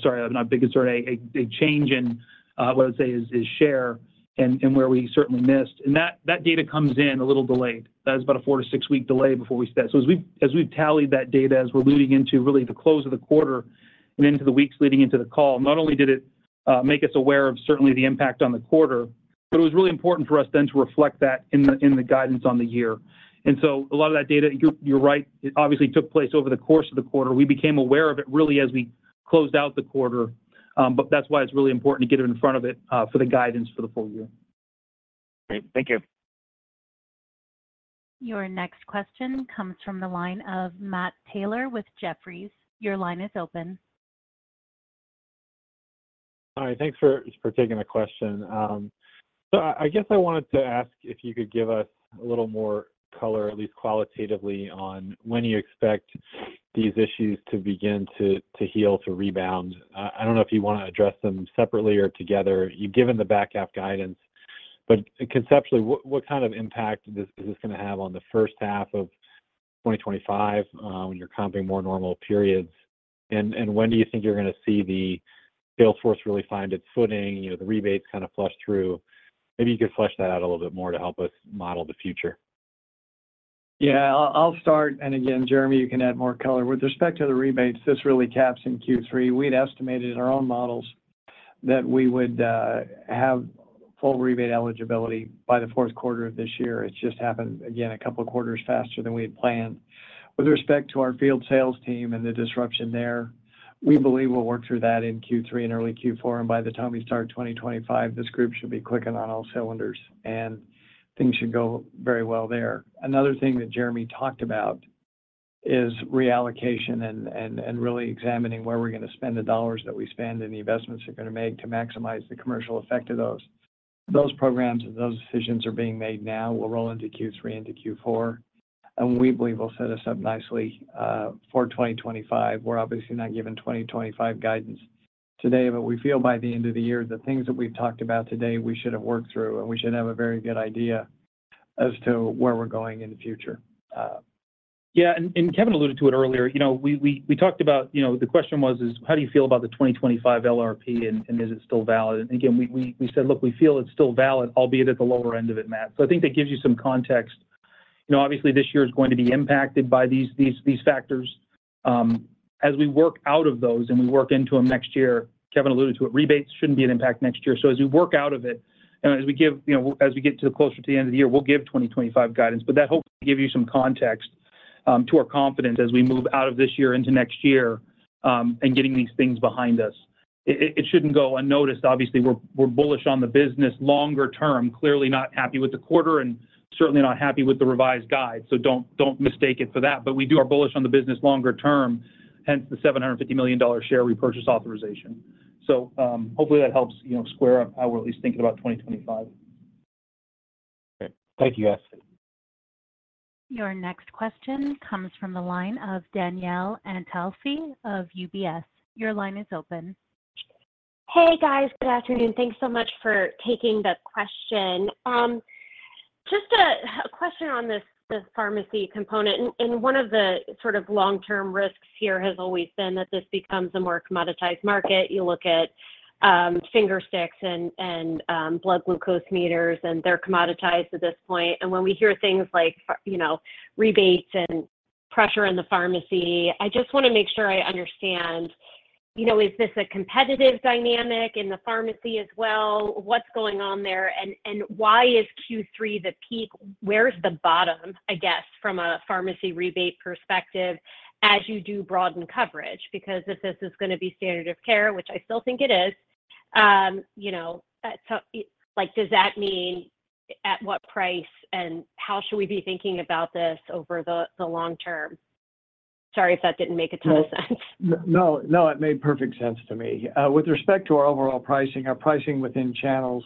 sorry, not big concern, a, a big change in, what I would say is, is share and, and where we certainly missed. That, that data comes in a little delayed. That is about a four- to six-week delay before we set. So as we've, as we've tallied that data, as we're leading into really the close of the quarter and into the weeks leading into the call, not only did it make us aware of certainly the impact on the quarter. But it was really important for us then to reflect that in the guidance on the year. And so a lot of that data, you're right, it obviously took place over the course of the quarter. We became aware of it really as we closed out the quarter, but that's why it's really important to get it in front of it, for the guidance for the full year. Great. Thank you. Your next question comes from the line of Matt Taylor with Jefferies. Your line is open. Hi, thanks for taking the question. So I guess I wanted to ask if you could give us a little more color, at least qualitatively, on when you expect these issues to begin to heal, to rebound. I don't know if you wanna address them separately or together. You've given the back half guidance, but conceptually, what kind of impact is this gonna have on the first half of 2025, when you're comping more normal periods? And when do you think you're gonna see the sales force really find its footing, you know, the rebates kind of flush through? Maybe you could flesh that out a little bit more to help us model the future. Yeah. I'll start, and again, Jereme, you can add more color. With respect to the rebates, this really caps in Q3. We'd estimated in our own models that we would have full rebate eligibility by the fourth quarter of this year. It's just happened, again, a couple of quarters faster than we had planned. With respect to our field sales team and the disruption there, we believe we'll work through that in Q3 and early Q4, and by the time we start 2025, this group should be clicking on all cylinders, and things should go very well there. Another thing that Jereme talked about is reallocation and really examining where we're gonna spend the dollars that we spend and the investments we're gonna make to maximize the commercial effect of those. Those programs and those decisions are being made now, will roll into Q3, into Q4, and we believe will set us up nicely for 2025. We're obviously not giving 2025 guidance today, but we feel by the end of the year, the things that we've talked about today, we should have worked through, and we should have a very good idea as to where we're going in the future. Yeah, and Kevin alluded to it earlier. You know, we talked about, you know, the question was, is how do you feel about the 2025 LRP, and is it still valid? And again, we said, "Look, we feel it's still valid, albeit at the lower end of it, Matt." So I think that gives you some context. You know, obviously, this year is going to be impacted by these factors. As we work out of those, and we work into them next year, Kevin alluded to it, rebates shouldn't be an impact next year. So as we work out of it, and as we give, you know, as we get closer to the end of the year, we'll give 2025 guidance. But that hopefully give you some context to our confidence as we move out of this year into next year, and getting these things behind us. It shouldn't go unnoticed. Obviously, we're bullish on the business longer term. Clearly not happy with the quarter and certainly not happy with the revised guide, so don't mistake it for that. But we do are bullish on the business longer term, hence the $750 million share repurchase authorization. So, hopefully, that helps, you know, square up how we're at least thinking about 2025. Great. Thank you, guys. Your next question comes from the line of Danielle Antalffy of UBS. Your line is open. Hey, guys. Good afternoon. Thanks so much for taking the question. Just a question on this pharmacy component, and one of the sort of long-term risks here has always been that this becomes a more commoditized market. You look at finger sticks and blood glucose meters, and they're commoditized at this point. When we hear things like you know, rebates and pressure in the pharmacy, I just wanna make sure I understand, you know, is this a competitive dynamic in the pharmacy as well? What's going on there, and why is Q3 the peak? Where's the bottom, I guess, from a pharmacy rebate perspective, as you do broaden coverage? Because if this is gonna be standard of care, which I still think it is, you know, like, does that mean at what price, and how should we be thinking about this over the long term? Sorry if that didn't make a ton of sense. No, no, it made perfect sense to me. With respect to our overall pricing, our pricing within channels,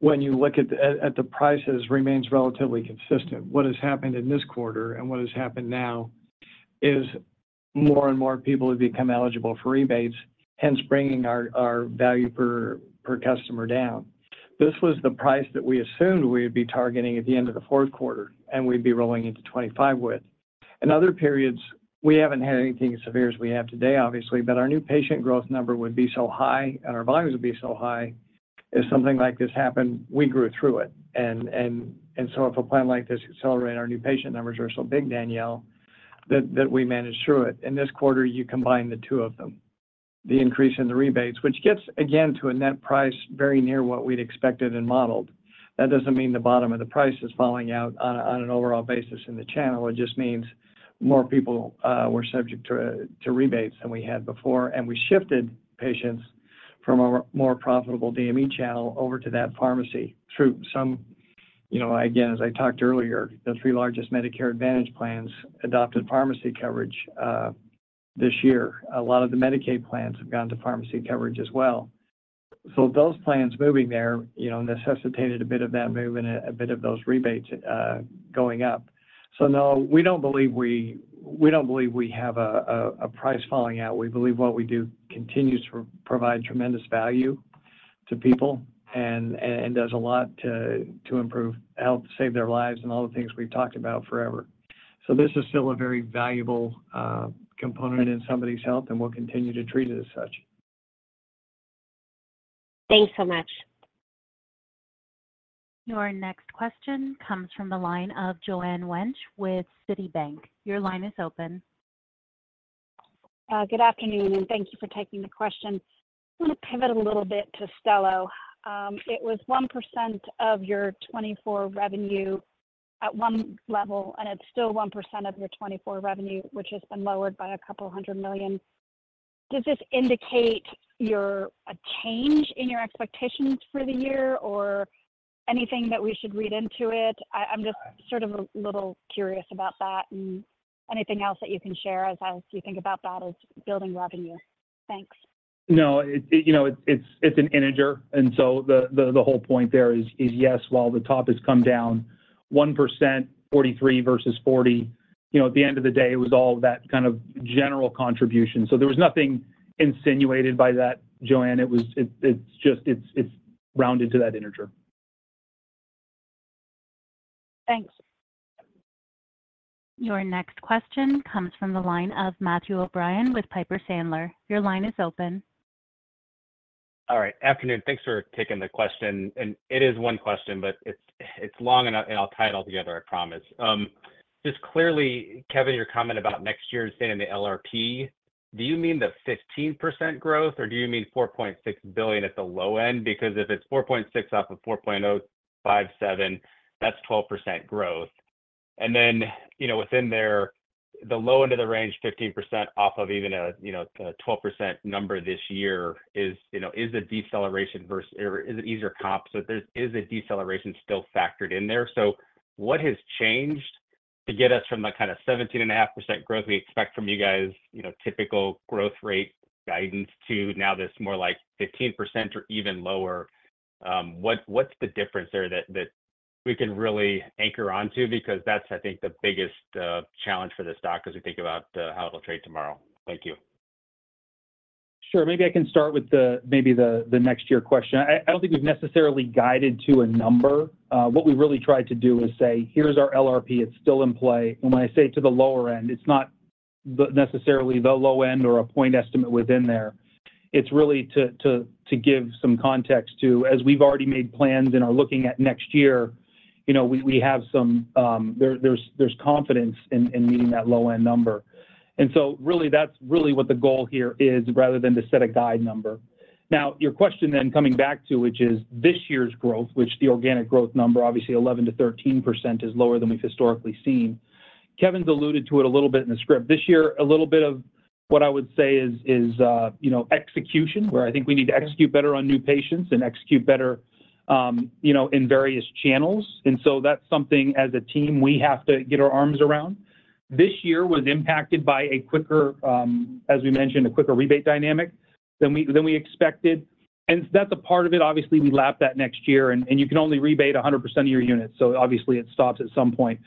when you look at the prices, remains relatively consistent. What has happened in this quarter and what has happened now is more and more people have become eligible for rebates, hence bringing our value per customer down. This was the price that we assumed we'd be targeting at the end of the fourth quarter and we'd be rolling into 2025 with. In other periods, we haven't had anything as severe as we have today, obviously, but our new patient growth number would be so high and our volumes would be so high, if something like this happened, we grew through it. So if a plan like this accelerate, our new patient numbers are so big, Danielle, that we manage through it. In this quarter, you combine the two of them, the increase in the rebates, which gets again to a net price very near what we'd expected and modeled. That doesn't mean the bottom of the price is falling out on an overall basis in the channel. It just means more people were subject to rebates than we had before, and we shifted patients from a more profitable DME channel over to that pharmacy through some... You know, again, as I talked earlier, the three largest Medicare Advantage plans adopted pharmacy coverage this year. A lot of the Medicaid plans have gone to pharmacy coverage as well. So those plans moving there, you know, necessitated a bit of that movement, a bit of those rebates going up. So no, we don't believe we have a price falling out. We believe what we do continues to provide tremendous value to people and does a lot to improve health, save their lives, and all the things we've talked about forever. This is still a very valuable component in somebody's health, and we'll continue to treat it as such. Thanks so much. Your next question comes from the line of Joanne Wuensch with Citibank. Your line is open. Good afternoon, and thank you for taking the question. I want to pivot a little bit to Stelo. It was 1% of your 2024 revenue at one level, and it's still 1% of your 2024 revenue, which has been lowered by $200 million. Does this indicate your, a change in your expectations for the year or anything that we should read into it? I'm just sort of a little curious about that and anything else that you can share as you think about that is building revenue. Thanks. No, you know, it's an integer, and so the whole point there is, yes, while the top has come down 1%, 43 versus 40, you know, at the end of the day, it was all that kind of general contribution. So there was nothing insinuated by that, Joanne. It was. It's just rounded to that integer. Thanks. Your next question comes from the line of Matthew O'Brien with Piper Sandler. Your line is open. All right. Afternoon. Thanks for taking the question, and it is one question, but it's long enough, and I'll tie it all together, I promise. Just clearly, Kevin, your comment about next year staying in the LRP, do you mean the 15% growth, or do you mean $4.6 billion at the low end? Because if it's $4.6 billion off of $4.057 billion, that's 12% growth. And then, you know, within there, the low end of the range, 15% off of even a, you know, a 12% number this year is, you know, is a deceleration versus or is it easier comp? So there is a deceleration still factored in there. So what has changed to get us from the kind of 17.5% growth we expect from you guys, you know, typical growth rate guidance to now this more, like, 15% or even lower? What, what's the difference there that, that we can really anchor on to? Because that's, I think, the biggest challenge for the stock as we think about how it'll trade tomorrow. Thank you. Sure. Maybe I can start with the next year question. I don't think we've necessarily guided to a number. What we really tried to do is say, "Here's our LRP. It's still in play." And when I say to the lower end, it's not necessarily the low end or a point estimate within there. It's really to give some context to. As we've already made plans and are looking at next year, you know, we have some, there, there's confidence in meeting that low-end number. And so really, that's really what the goal here is, rather than to set a guide number. Now, your question then coming back to, which is this year's growth, which the organic growth number, obviously 11%-13%, is lower than we've historically seen. Kevin's alluded to it a little bit in the script. This year, a little bit of what I would say is, you know, execution, where I think we need to execute better on new patients and execute better, you know, in various channels. And so that's something, as a team, we have to get our arms around. This year was impacted by a quicker, as we mentioned, a quicker rebate dynamic than we expected. And that's a part of it. Obviously, we lap that next year, and you can only rebate 100% of your units, so obviously it stops at some point.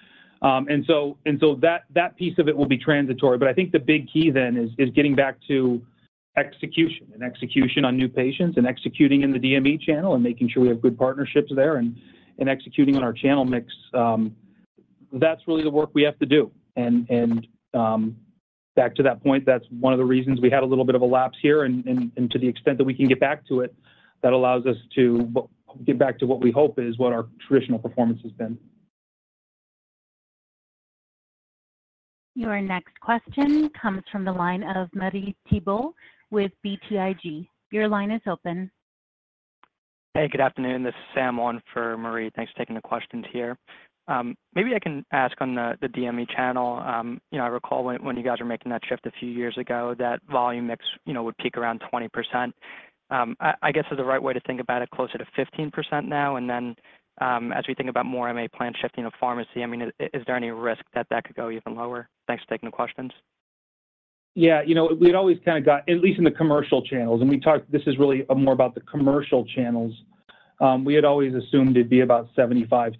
And so that piece of it will be transitory. But I think the big key then is getting back to execution and execution on new patients and executing in the DME channel and making sure we have good partnerships there and executing on our channel mix. That's really the work we have to do. Back to that point, that's one of the reasons we had a little bit of a lapse here. And to the extent that we can get back to it, that allows us to get back to what we hope is what our traditional performance has been. Your next question comes from the line of Marie Thibault with BTIG. Your line is open. Hey, good afternoon. This is Sam on for Marie. Thanks for taking the questions here. Maybe I can ask on the DME channel. You know, I recall when you guys were making that shift a few years ago, that volume mix would peak around 20%. I guess is the right way to think about it, closer to 15% now? And then, as we think about more MA plan shifting to pharmacy, I mean, is there any risk that that could go even lower? Thanks for taking the questions. Yeah, you know, we'd always kind of got, at least in the commercial channels. This is really more about the commercial channels. We had always assumed it'd be about 75-25.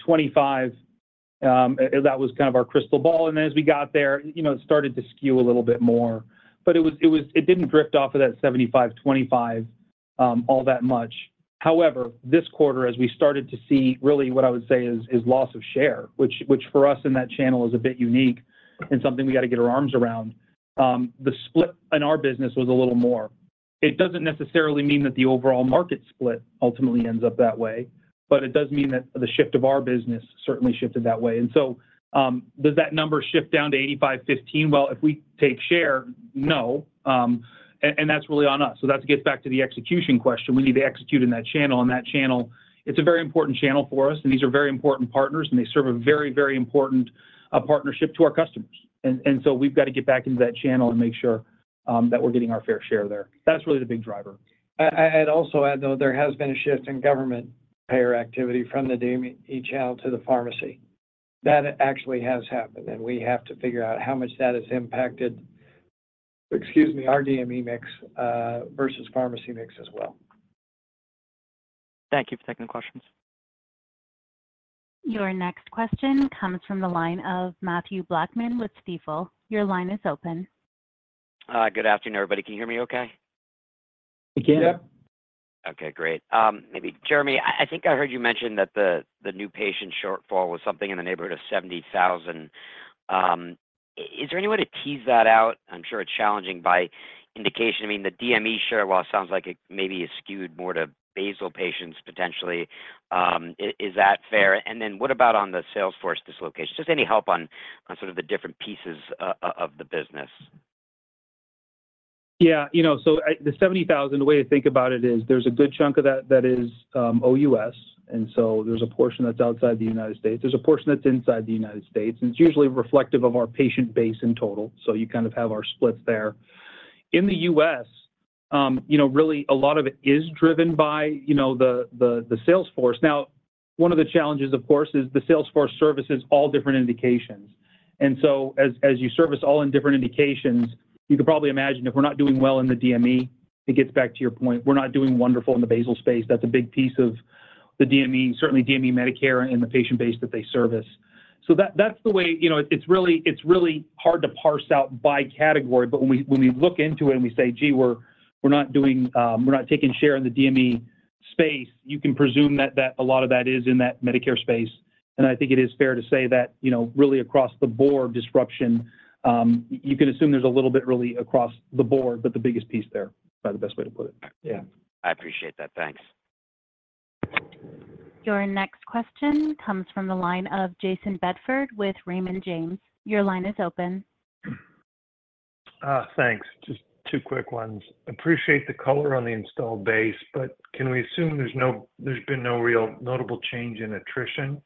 That was kind of our crystal ball, and as we got there, you know, it started to skew a little bit more. But it didn't drift off of that 75-25 all that much. However, this quarter, as we started to see, really what I would say is loss of share, which for us in that channel is a bit unique and something we got to get our arms around, the split in our business was a little more. It doesn't necessarily mean that the overall market split ultimately ends up that way, but it does mean that the shift of our business certainly shifted that way. And so, does that number shift down to 85-15? Well, if we take share, no, and that's really on us. So that gets back to the execution question. We need to execute in that channel, and that channel, it's a very important channel for us, and these are very important partners, and they serve a very, very important partnership to our customers. And so we've got to get back into that channel and make sure that we're getting our fair share there. That's really the big driver. I'd also add, though, there has been a shift in government payer activity from the DME channel to the pharmacy. That actually has happened, and we have to figure out how much that has impacted, excuse me, our DME mix versus pharmacy mix as well. Thank you for taking the questions. Your next question comes from the line of Matthew Blackman with Stifel. Your line is open. Good afternoon, everybody. Can you hear me okay? We can. Yeah. Okay, great. Maybe Jereme, I think I heard you mention that the new patient shortfall was something in the neighborhood of 70,000. Is there any way to tease that out? I'm sure it's challenging by indication, I mean, the DME share, while it sounds like it maybe is skewed more to basal patients potentially, is that fair? And then what about on the sales force dislocation? Just any help on sort of the different pieces of the business. Yeah. You know, so the 70,000, the way to think about it is there's a good chunk of that that is OUS, and so there's a portion that's outside the United States. There's a portion that's inside the United States, and it's usually reflective of our patient base in total, so you kind of have our splits there. In the U.S., you know, really a lot of it is driven by, you know, the, the, the sales force. Now, one of the challenges, of course, is the sales force services all different indications. And so as, as you service all in different indications, you can probably imagine if we're not doing well in the DME, it gets back to your point. We're not doing wonderful in the basal space. That's a big piece of the DME, certainly DME Medicare and the patient base that they service. So that's the way. You know, it's really, it's really hard to parse out by category, but when we, when we look into it and we say, "Gee, we're, we're not doing, we're not taking share in the DME space," you can presume that a lot of that is in that Medicare space. And I think it is fair to say that, you know, really across the board disruption, you can assume there's a little bit really across the board, but the biggest piece there, but the best way to put it. Yeah. I appreciate that. Thanks. Your next question comes from the line of Jayson Bedford with Raymond James. Your line is open. Thanks. Just two quick ones. Appreciate the color on the installed base, but can we assume there's no real notable change in attrition?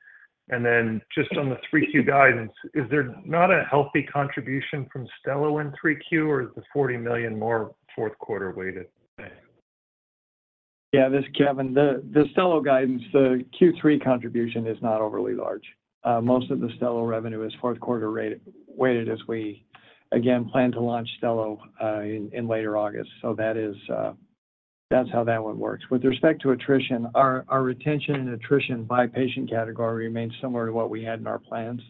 And then just on the 3Q guidance, is there not a healthy contribution from Stelo in 3Q, or is the $40 million more fourth quarter weighted? Yeah, this is Kevin. The Stelo guidance, the Q3 contribution is not overly large. Most of the Stelo revenue is fourth quarter rate-weighted as we, again, plan to launch Stelo in later August. So that is, that's how that one works. With respect to attrition, our retention and attrition by patient category remains similar to what we had in our plans.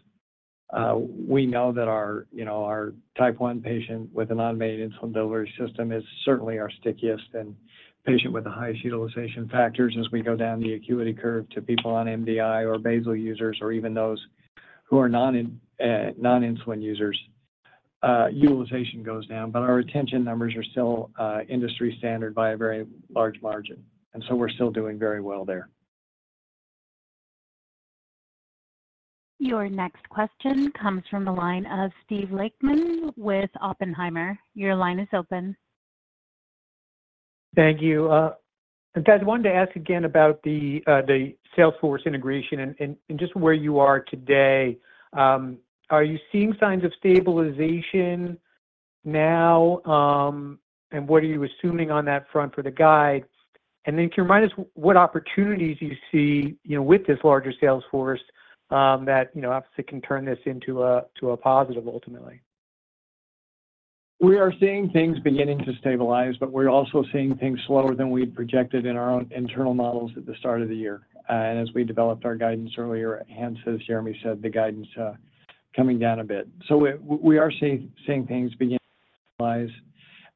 We know that our, you know, our Type 1 patient with an automated insulin delivery system is certainly our stickiest and patient with the highest utilization factors as we go down the acuity curve to people on MDI or basal users, or even those who are non-insulin users, utilization goes down. But our retention numbers are still industry standard by a very large margin, and so we're still doing very well there. Your next question comes from the line of Steve Lichtman with Oppenheimer. Your line is open. Thank you. Guys, I wanted to ask again about the sales force integration and just where you are today. Are you seeing signs of stabilization now, and what are you assuming on that front for the guide? And then can you remind us what opportunities you see, you know, with this larger sales force, that, you know, obviously can turn this into a positive ultimately? We are seeing things beginning to stabilize, but we're also seeing things slower than we'd projected in our own internal models at the start of the year. And as we developed our guidance earlier, hence, as Jereme said, the guidance coming down a bit. So we are seeing things begin to stabilize,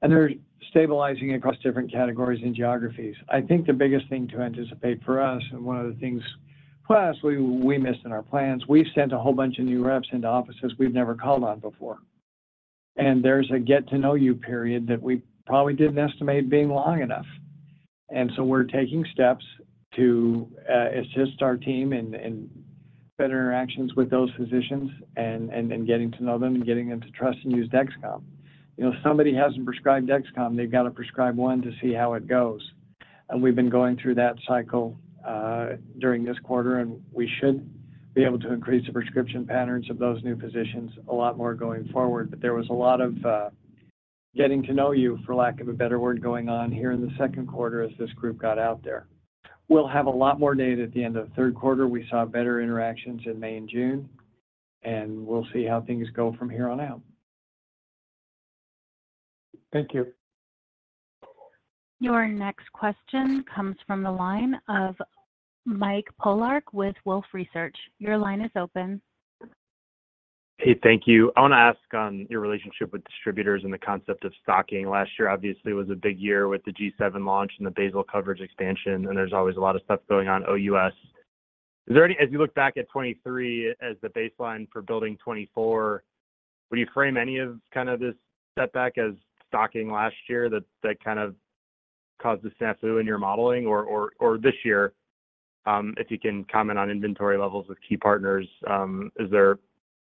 and they're stabilizing across different categories and geographies. I think the biggest thing to anticipate for us, and one of the things plus we missed in our plans, we've sent a whole bunch of new reps into offices we've never called on before. And there's a get-to-know-you period that we probably didn't estimate being long enough. And so we're taking steps to assist our team and better interactions with those physicians and getting to know them and getting them to trust and use Dexcom. You know, if somebody hasn't prescribed Dexcom, they've got to prescribe one to see how it goes. We've been going through that cycle during this quarter, and we should be able to increase the prescription patterns of those new positions a lot more going forward. But there was a lot of getting to know you, for lack of a better word, going on here in the second quarter as this group got out there. We'll have a lot more data at the end of the third quarter. We saw better interactions in May and June, and we'll see how things go from here on out. Thank you. Your next question comes from the line of Mike Polark with Wolfe Research. Your line is open. Hey, thank you. I want to ask on your relationship with distributors and the concept of stocking. Last year, obviously, was a big year with the G7 launch and the basal coverage expansion, and there's always a lot of stuff going on, OUS. Is there any, as you look back at 2023 as the baseline for building 2024, would you frame any of kind of this setback as stocking last year, that kind of caused a snafu in your modeling? Or this year, if you can comment on inventory levels with key partners, is there,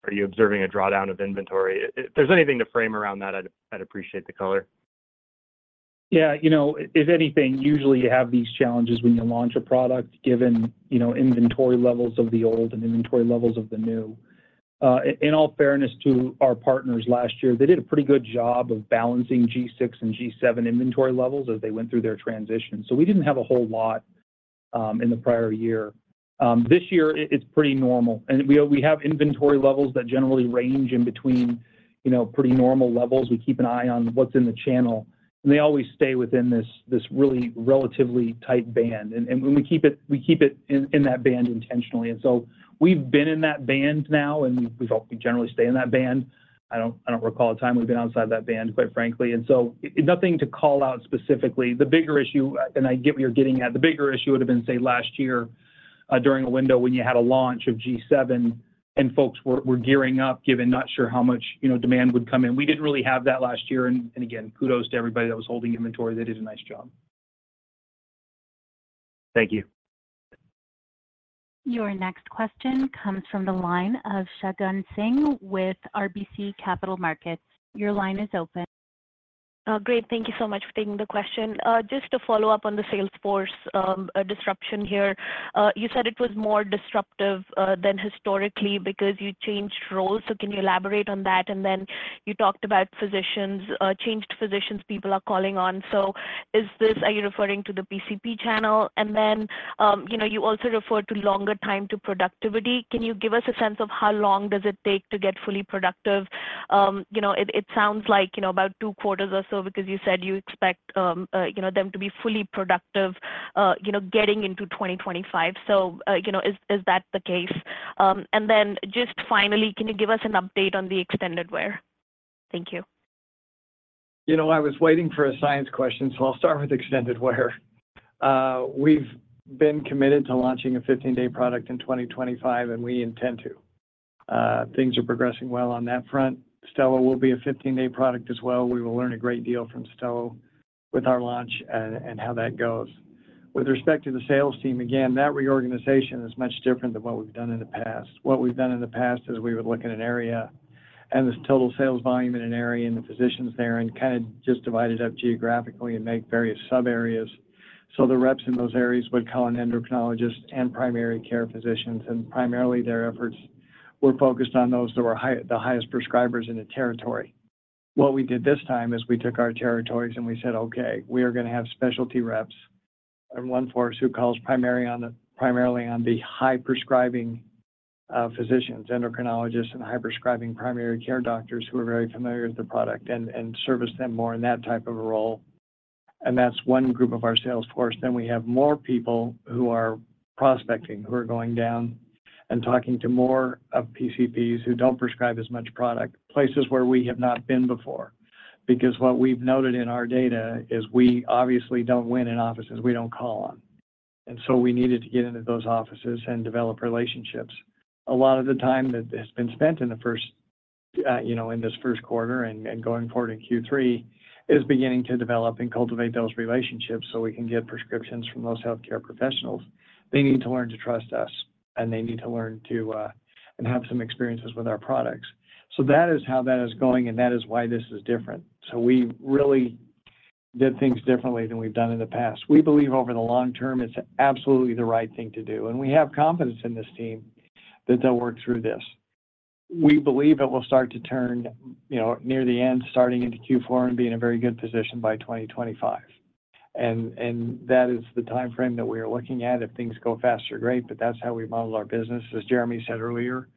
are you observing a drawdown of inventory? If there's anything to frame around that, I'd appreciate the color. Yeah, you know, if anything, usually you have these challenges when you launch a product, given, you know, inventory levels of the old and inventory levels of the new. In all fairness to our partners last year, they did a pretty good job of balancing G6 and G7 inventory levels as they went through their transition. So we didn't have a whole lot in the prior year. This year it's pretty normal, and we have inventory levels that generally range in between, you know, pretty normal levels. We keep an eye on what's in the channel, and they always stay within this really relatively tight band. And when we keep it, we keep it in that band intentionally. And so we've been in that band now, and we generally stay in that band. I don't, I don't recall a time we've been outside that band, quite frankly. And so nothing to call out specifically. The bigger issue, and I get what you're getting at, the bigger issue would have been, say, last year, during a window when you had a launch of G7 and folks were gearing up, given not sure how much, you know, demand would come in. We didn't really have that last year, and again, kudos to everybody that was holding inventory. They did a nice job. Thank you. Your next question comes from the line of Shagun Singh with RBC Capital Markets. Your line is open. Great. Thank you so much for taking the question. Just to follow up on the sales force, disruption here. You said it was more disruptive than historically because you changed roles. So can you elaborate on that? And then you talked about physicians, changed physicians, people are calling on, so is this- are you referring to the PCP channel? And then, you know, you also referred to longer time to productivity. Can you give us a sense of how long does it take to get fully productive? You know, it sounds like, you know, about two quarters or so, because you said you expect, you know, them to be fully productive, you know, getting into 2025. So, you know, is that the case? And then just finally, can you give us an update on the extended wear? Thank you. You know, I was waiting for a science question, so I'll start with extended wear. We've been committed to launching a 15-day product in 2025, and we intend to. Things are progressing well on that front. Stelo will be a 15-day product as well. We will learn a great deal from Stelo with our launch and how that goes. With respect to the sales team, again, that reorganization is much different than what we've done in the past. What we've done in the past is we would look at an area, and this total sales volume in an area, and the physicians there, and kind of just divide it up geographically and make various subareas. So the reps in those areas would call an endocrinologist and primary care physicians, and primarily their efforts were focused on those that were the highest prescribers in the territory. What we did this time is we took our territories, and we said, "Okay, we are gonna have specialty reps, and one force who calls primarily on the high-prescribing physicians, endocrinologists, and high-prescribing primary care doctors who are very familiar with the product and service them more in that type of a role." And that's one group of our sales force. Then we have more people who are prospecting, who are going down and talking to more of PCPs who don't prescribe as much product, places where we have not been before. Because what we've noted in our data is we obviously don't win in offices we don't call on, and so we needed to get into those offices and develop relationships. A lot of the time that has been spent in the first, you know, in this first quarter and, and going forward in Q3, is beginning to develop and cultivate those relationships so we can get prescriptions from those healthcare professionals. They need to learn to trust us, and they need to learn to, and have some experiences with our products. So that is how that is going, and that is why this is different. So we really did things differently than we've done in the past. We believe over the long term it's absolutely the right thing to do, and we have confidence in this team that they'll work through this. We believe it will start to turn, you know, near the end, starting into Q4 and be in a very good position by 2025. And, and that is the timeframe that we are looking at. If things go faster, great, but that's how we model our business. As Jereme said earlier,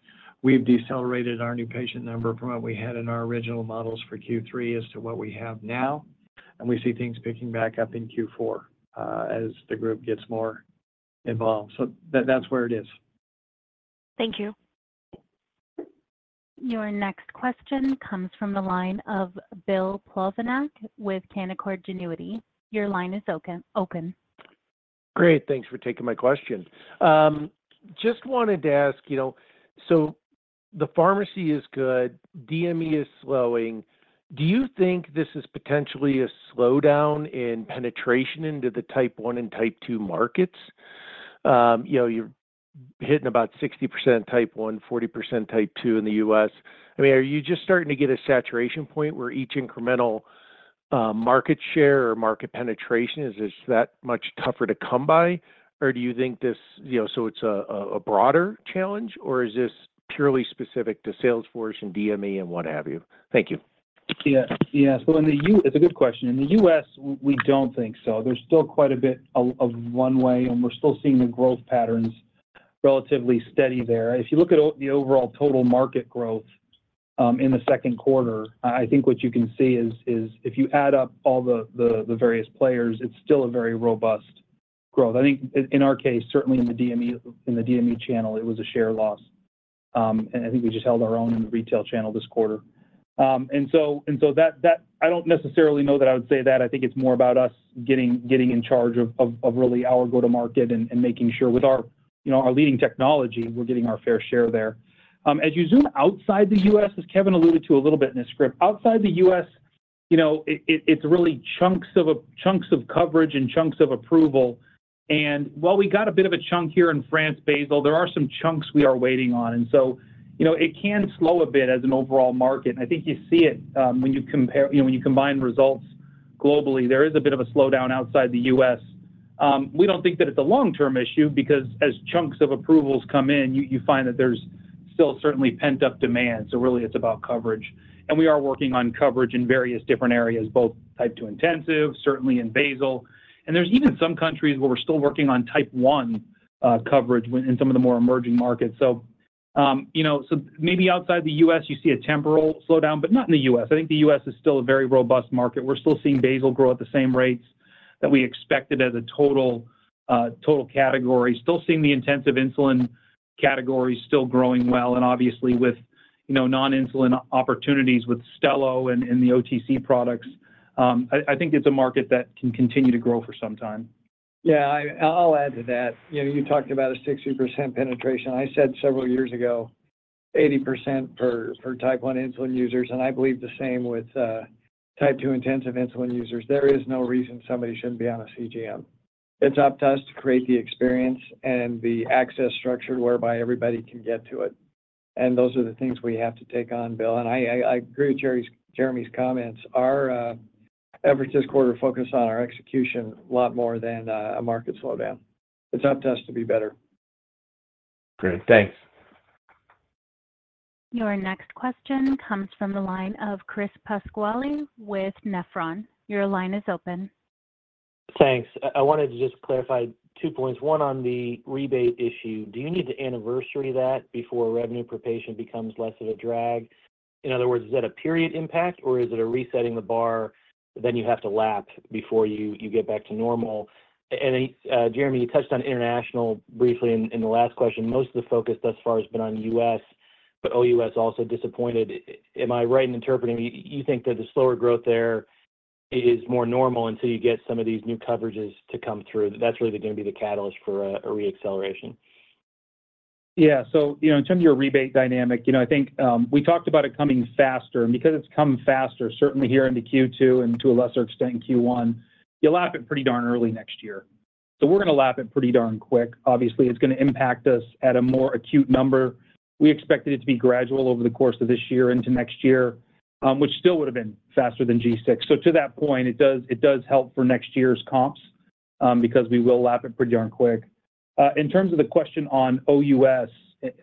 we've decelerated our new patient number from what we had in our original models for Q3 as to what we have now, and we see things picking back up in Q4, as the group gets more involved. So that's where it is. Thank you. Your next question comes from the line of Bill Plovanic with Canaccord Genuity. Your line is open. Great, thanks for taking my question. Just wanted to ask, you know, so the pharmacy is good, DME is slowing. Do you think this is potentially a slowdown in penetration into the type 1 and type 2 markets? You know, you're hitting about 60% type 1, 40% type 2 in the U.S. I mean, are you just starting to get a saturation point where each incremental market share or market penetration is this that much tougher to come by? Or do you think this... You know, so it's a broader challenge, or is this purely specific to sales force and DME and what have you? Thank you. Yeah. Yeah. So in the U.S., it's a good question. In the U.S., we don't think so. There's still quite a bit of runway, and we're still seeing the growth patterns relatively steady there. If you look at the overall total market growth, in the second quarter, I think what you can see is if you add up all the various players, it's still a very robust growth. I think in our case, certainly in the DME, in the DME channel, it was a share loss. And I think we just held our own in the retail channel this quarter. And so, and so that I don't necessarily know that I would say that. I think it's more about us getting in charge of really our go-to-market and making sure with our, you know, our leading technology, we're getting our fair share there. As you zoom outside the U.S., as Kevin alluded to a little bit in his script, outside the U.S., you know, it, it's really chunks of coverage and chunks of approval. While we got a bit of a chunk here in France, basal, there are some chunks we are waiting on, and so, you know, it can slow a bit as an overall market, and I think you see it, when you compare, you know, when you combine results globally, there is a bit of a slowdown outside the U.S. We don't think that it's a long-term issue because as chunks of approvals come in, you find that there's still certainly pent-up demand, so really it's about coverage. And we are working on coverage in various different areas, both type 2 intensive, certainly in basal, and there's even some countries where we're still working on type 1 coverage in some of the more emerging markets. So, you know, so maybe outside the U.S., you see a temporal slowdown, but not in the U.S. I think the U.S. is still a very robust market. We're still seeing basal grow at the same rates that we expected as a total category. Still seeing the intensive insulin category still growing well, and obviously with, you know, non-insulin opportunities with Stelo and the OTC products, I think it's a market that can continue to grow for some time. Yeah, I, I'll add to that. You know, you talked about a 60% penetration. I said several years ago, 80% for type 1 insulin users, and I believe the same with type two intensive insulin users. There is no reason somebody shouldn't be on a CGM. It's up to us to create the experience and the access structure whereby everybody can get to it, and those are the things we have to take on, Bill. And I agree with Jereme's comments. Our effort this quarter focus on our execution a lot more than a market slowdown. It's up to us to be better. Great. Thanks. Your next question comes from the line of Chris Pasquale with Nephron. Your line is open. Thanks. I wanted to just clarify two points. One, on the rebate issue, do you need to anniversary that before revenue per patient becomes less of a drag? In other words, is that a period impact or is it a resetting the bar, then you have to lap before you get back to normal? And then, Jereme, you touched on international briefly in the last question. Most of the focus thus far has been on U.S., but OUS also disappointed. Am I right in interpreting you think that the slower growth there is more normal until you get some of these new coverages to come through? That's really going to be the catalyst for a re-acceleration. Yeah. So, you know, in terms of your rebate dynamic, you know, I think, we talked about it coming faster. And because it's come faster, certainly here into Q2 and to a lesser extent, in Q1, you'll lap it pretty darn early next year. So we're gonna lap it pretty darn quick. Obviously, it's gonna impact us at a more acute number. We expected it to be gradual over the course of this year into next year, which still would have been faster than G6. So to that point, it does, it does help for next year's comps, because we will lap it pretty darn quick. In terms of the question on OUS,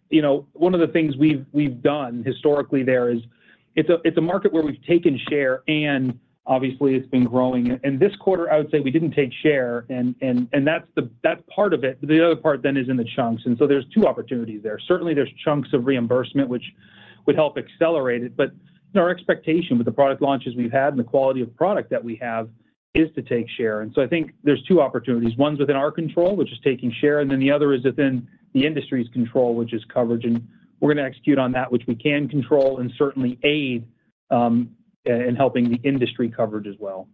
you know, one of the things we've, we've done historically there is it's a, it's a market where we've taken share, and obviously, it's been growing. And this quarter, I would say, we didn't take share, and that's the, that's part of it, but the other part then is in the chunks. And so there's two opportunities there. Certainly, there's chunks of reimbursement, which would help accelerate it, but our expectation with the product launches we've had and the quality of product that we have is to take share. And so I think there's two opportunities. One's within our control, which is taking share, and then the other is within the industry's control, which is coverage. And we're gonna execute on that which we can control and certainly aid in helping the industry coverage as well.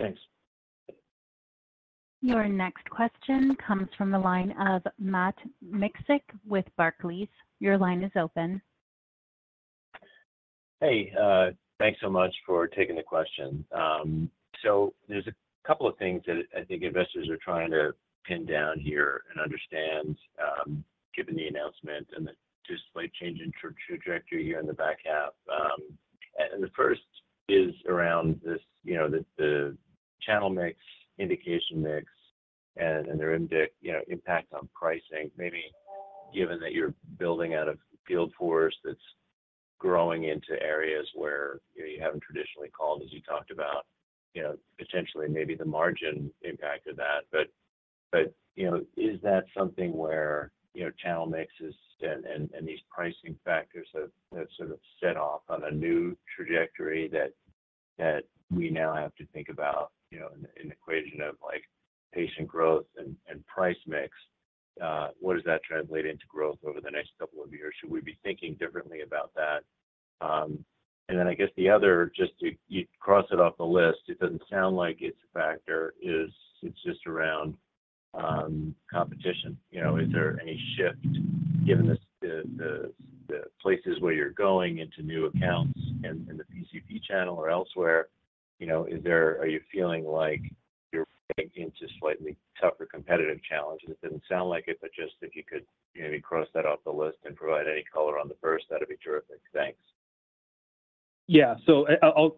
Thanks. Your next question comes from the line of Matt Miksik with Barclays. Your line is open. Hey, thanks so much for taking the question. So there's a couple of things that I think investors are trying to pin down here and understand, given the announcement and the just slight change in trajectory here in the back half. And the first is around this, you know, the channel mix, indication mix, and their indication, you know, impact on pricing, maybe given that you're building out a field force that's growing into areas where you haven't traditionally called, as you talked about, you know, potentially maybe the margin impact of that. But, you know, is that something where, you know, channel mixes and these pricing factors have sort of set off on a new trajectory that we now have to think about, you know, in equation of, like, patient growth and price mix? What does that translate into growth over the next couple of years? Should we be thinking differently about that? And then I guess the other, just to cross it off the list, it doesn't sound like it's a factor, is it just around competition. You know, is there any shift given the places where you're going into new accounts and in the PCP channel or elsewhere, you know, is there are you feeling like you're into slightly tougher competitive challenges? It didn't sound like it, but just if you could maybe cross that off the list and provide any color on the first, that'd be terrific. Thanks. Yeah. So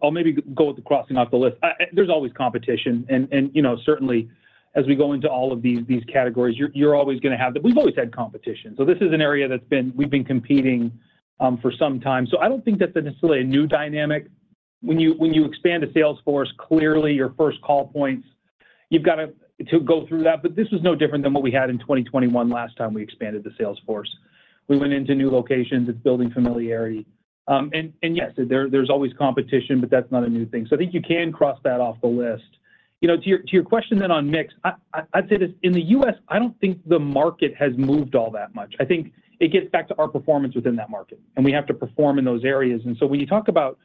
I'll maybe go with the crossing off the list. There's always competition, and, you know, certainly as we go into all of these categories, you're always gonna have that. We've always had competition, so this is an area that's been, we've been competing for some time. So I don't think that's necessarily a new dynamic. When you expand a sales force, clearly, your first call points, you've got to go through that. But this is no different than what we had in 2021, last time we expanded the sales force. We went into new locations. It's building familiarity. And yes, there's always competition, but that's not a new thing. So I think you can cross that off the list. You know, to your question then on mix, I, I'd say this, in the U.S., I don't think the market has moved all that much. I think it gets back to our performance within that market, and we have to perform in those areas. And so when you talk about,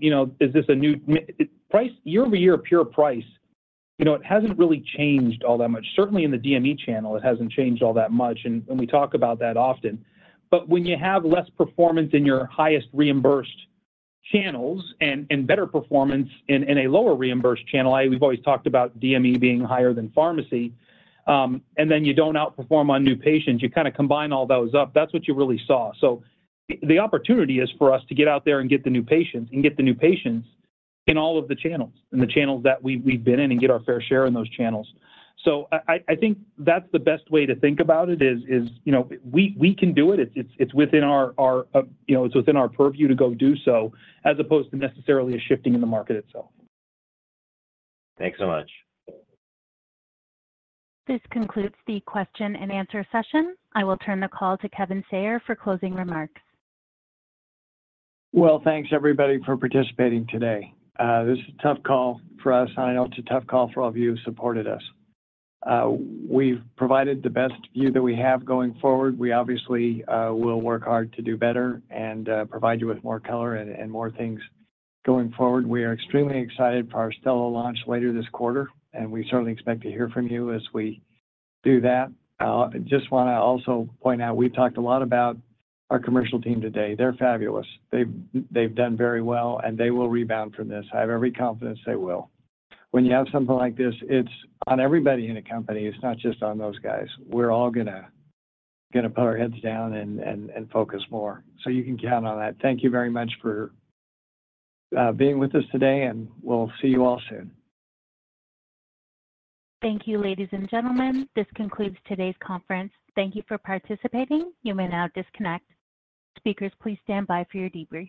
you know, is this a new mix price year over year, pure price, you know, it hasn't really changed all that much. Certainly, in the DME channel, it hasn't changed all that much, and we talk about that often. But when you have less performance in your highest reimbursed channels and better performance in a lower reimbursed channel, we've always talked about DME being higher than pharmacy, and then you don't outperform on new patients. You kind of combine all those up. That's what you really saw. So the opportunity is for us to get out there and get the new patients, and get the new patients in all of the channels, in the channels that we've been in, and get our fair share in those channels. So I think that's the best way to think about it, is, you know, we can do it. It's within our, you know, it's within our purview to go do so, as opposed to necessarily a shifting in the market itself. Thanks so much. This concludes the question and answer session. I will turn the call to Kevin Sayer for closing remarks. Well, thanks, everybody, for participating today. This is a tough call for us. I know it's a tough call for all of you who supported us. We've provided the best view that we have going forward. We obviously will work hard to do better and provide you with more color and more things going forward. We are extremely excited for our Stelo launch later this quarter, and we certainly expect to hear from you as we do that. I just want to also point out, we've talked a lot about our commercial team today. They're fabulous. They've done very well, and they will rebound from this. I have every confidence they will. When you have something like this, it's on everybody in the company. It's not just on those guys. We're all gonna put our heads down and focus more. So you can count on that. Thank you very much for being with us today, and we'll see you all soon. Thank you, ladies and gentlemen. This concludes today's conference. Thank you for participating. You may now disconnect. Speakers, please stand by for your debrief.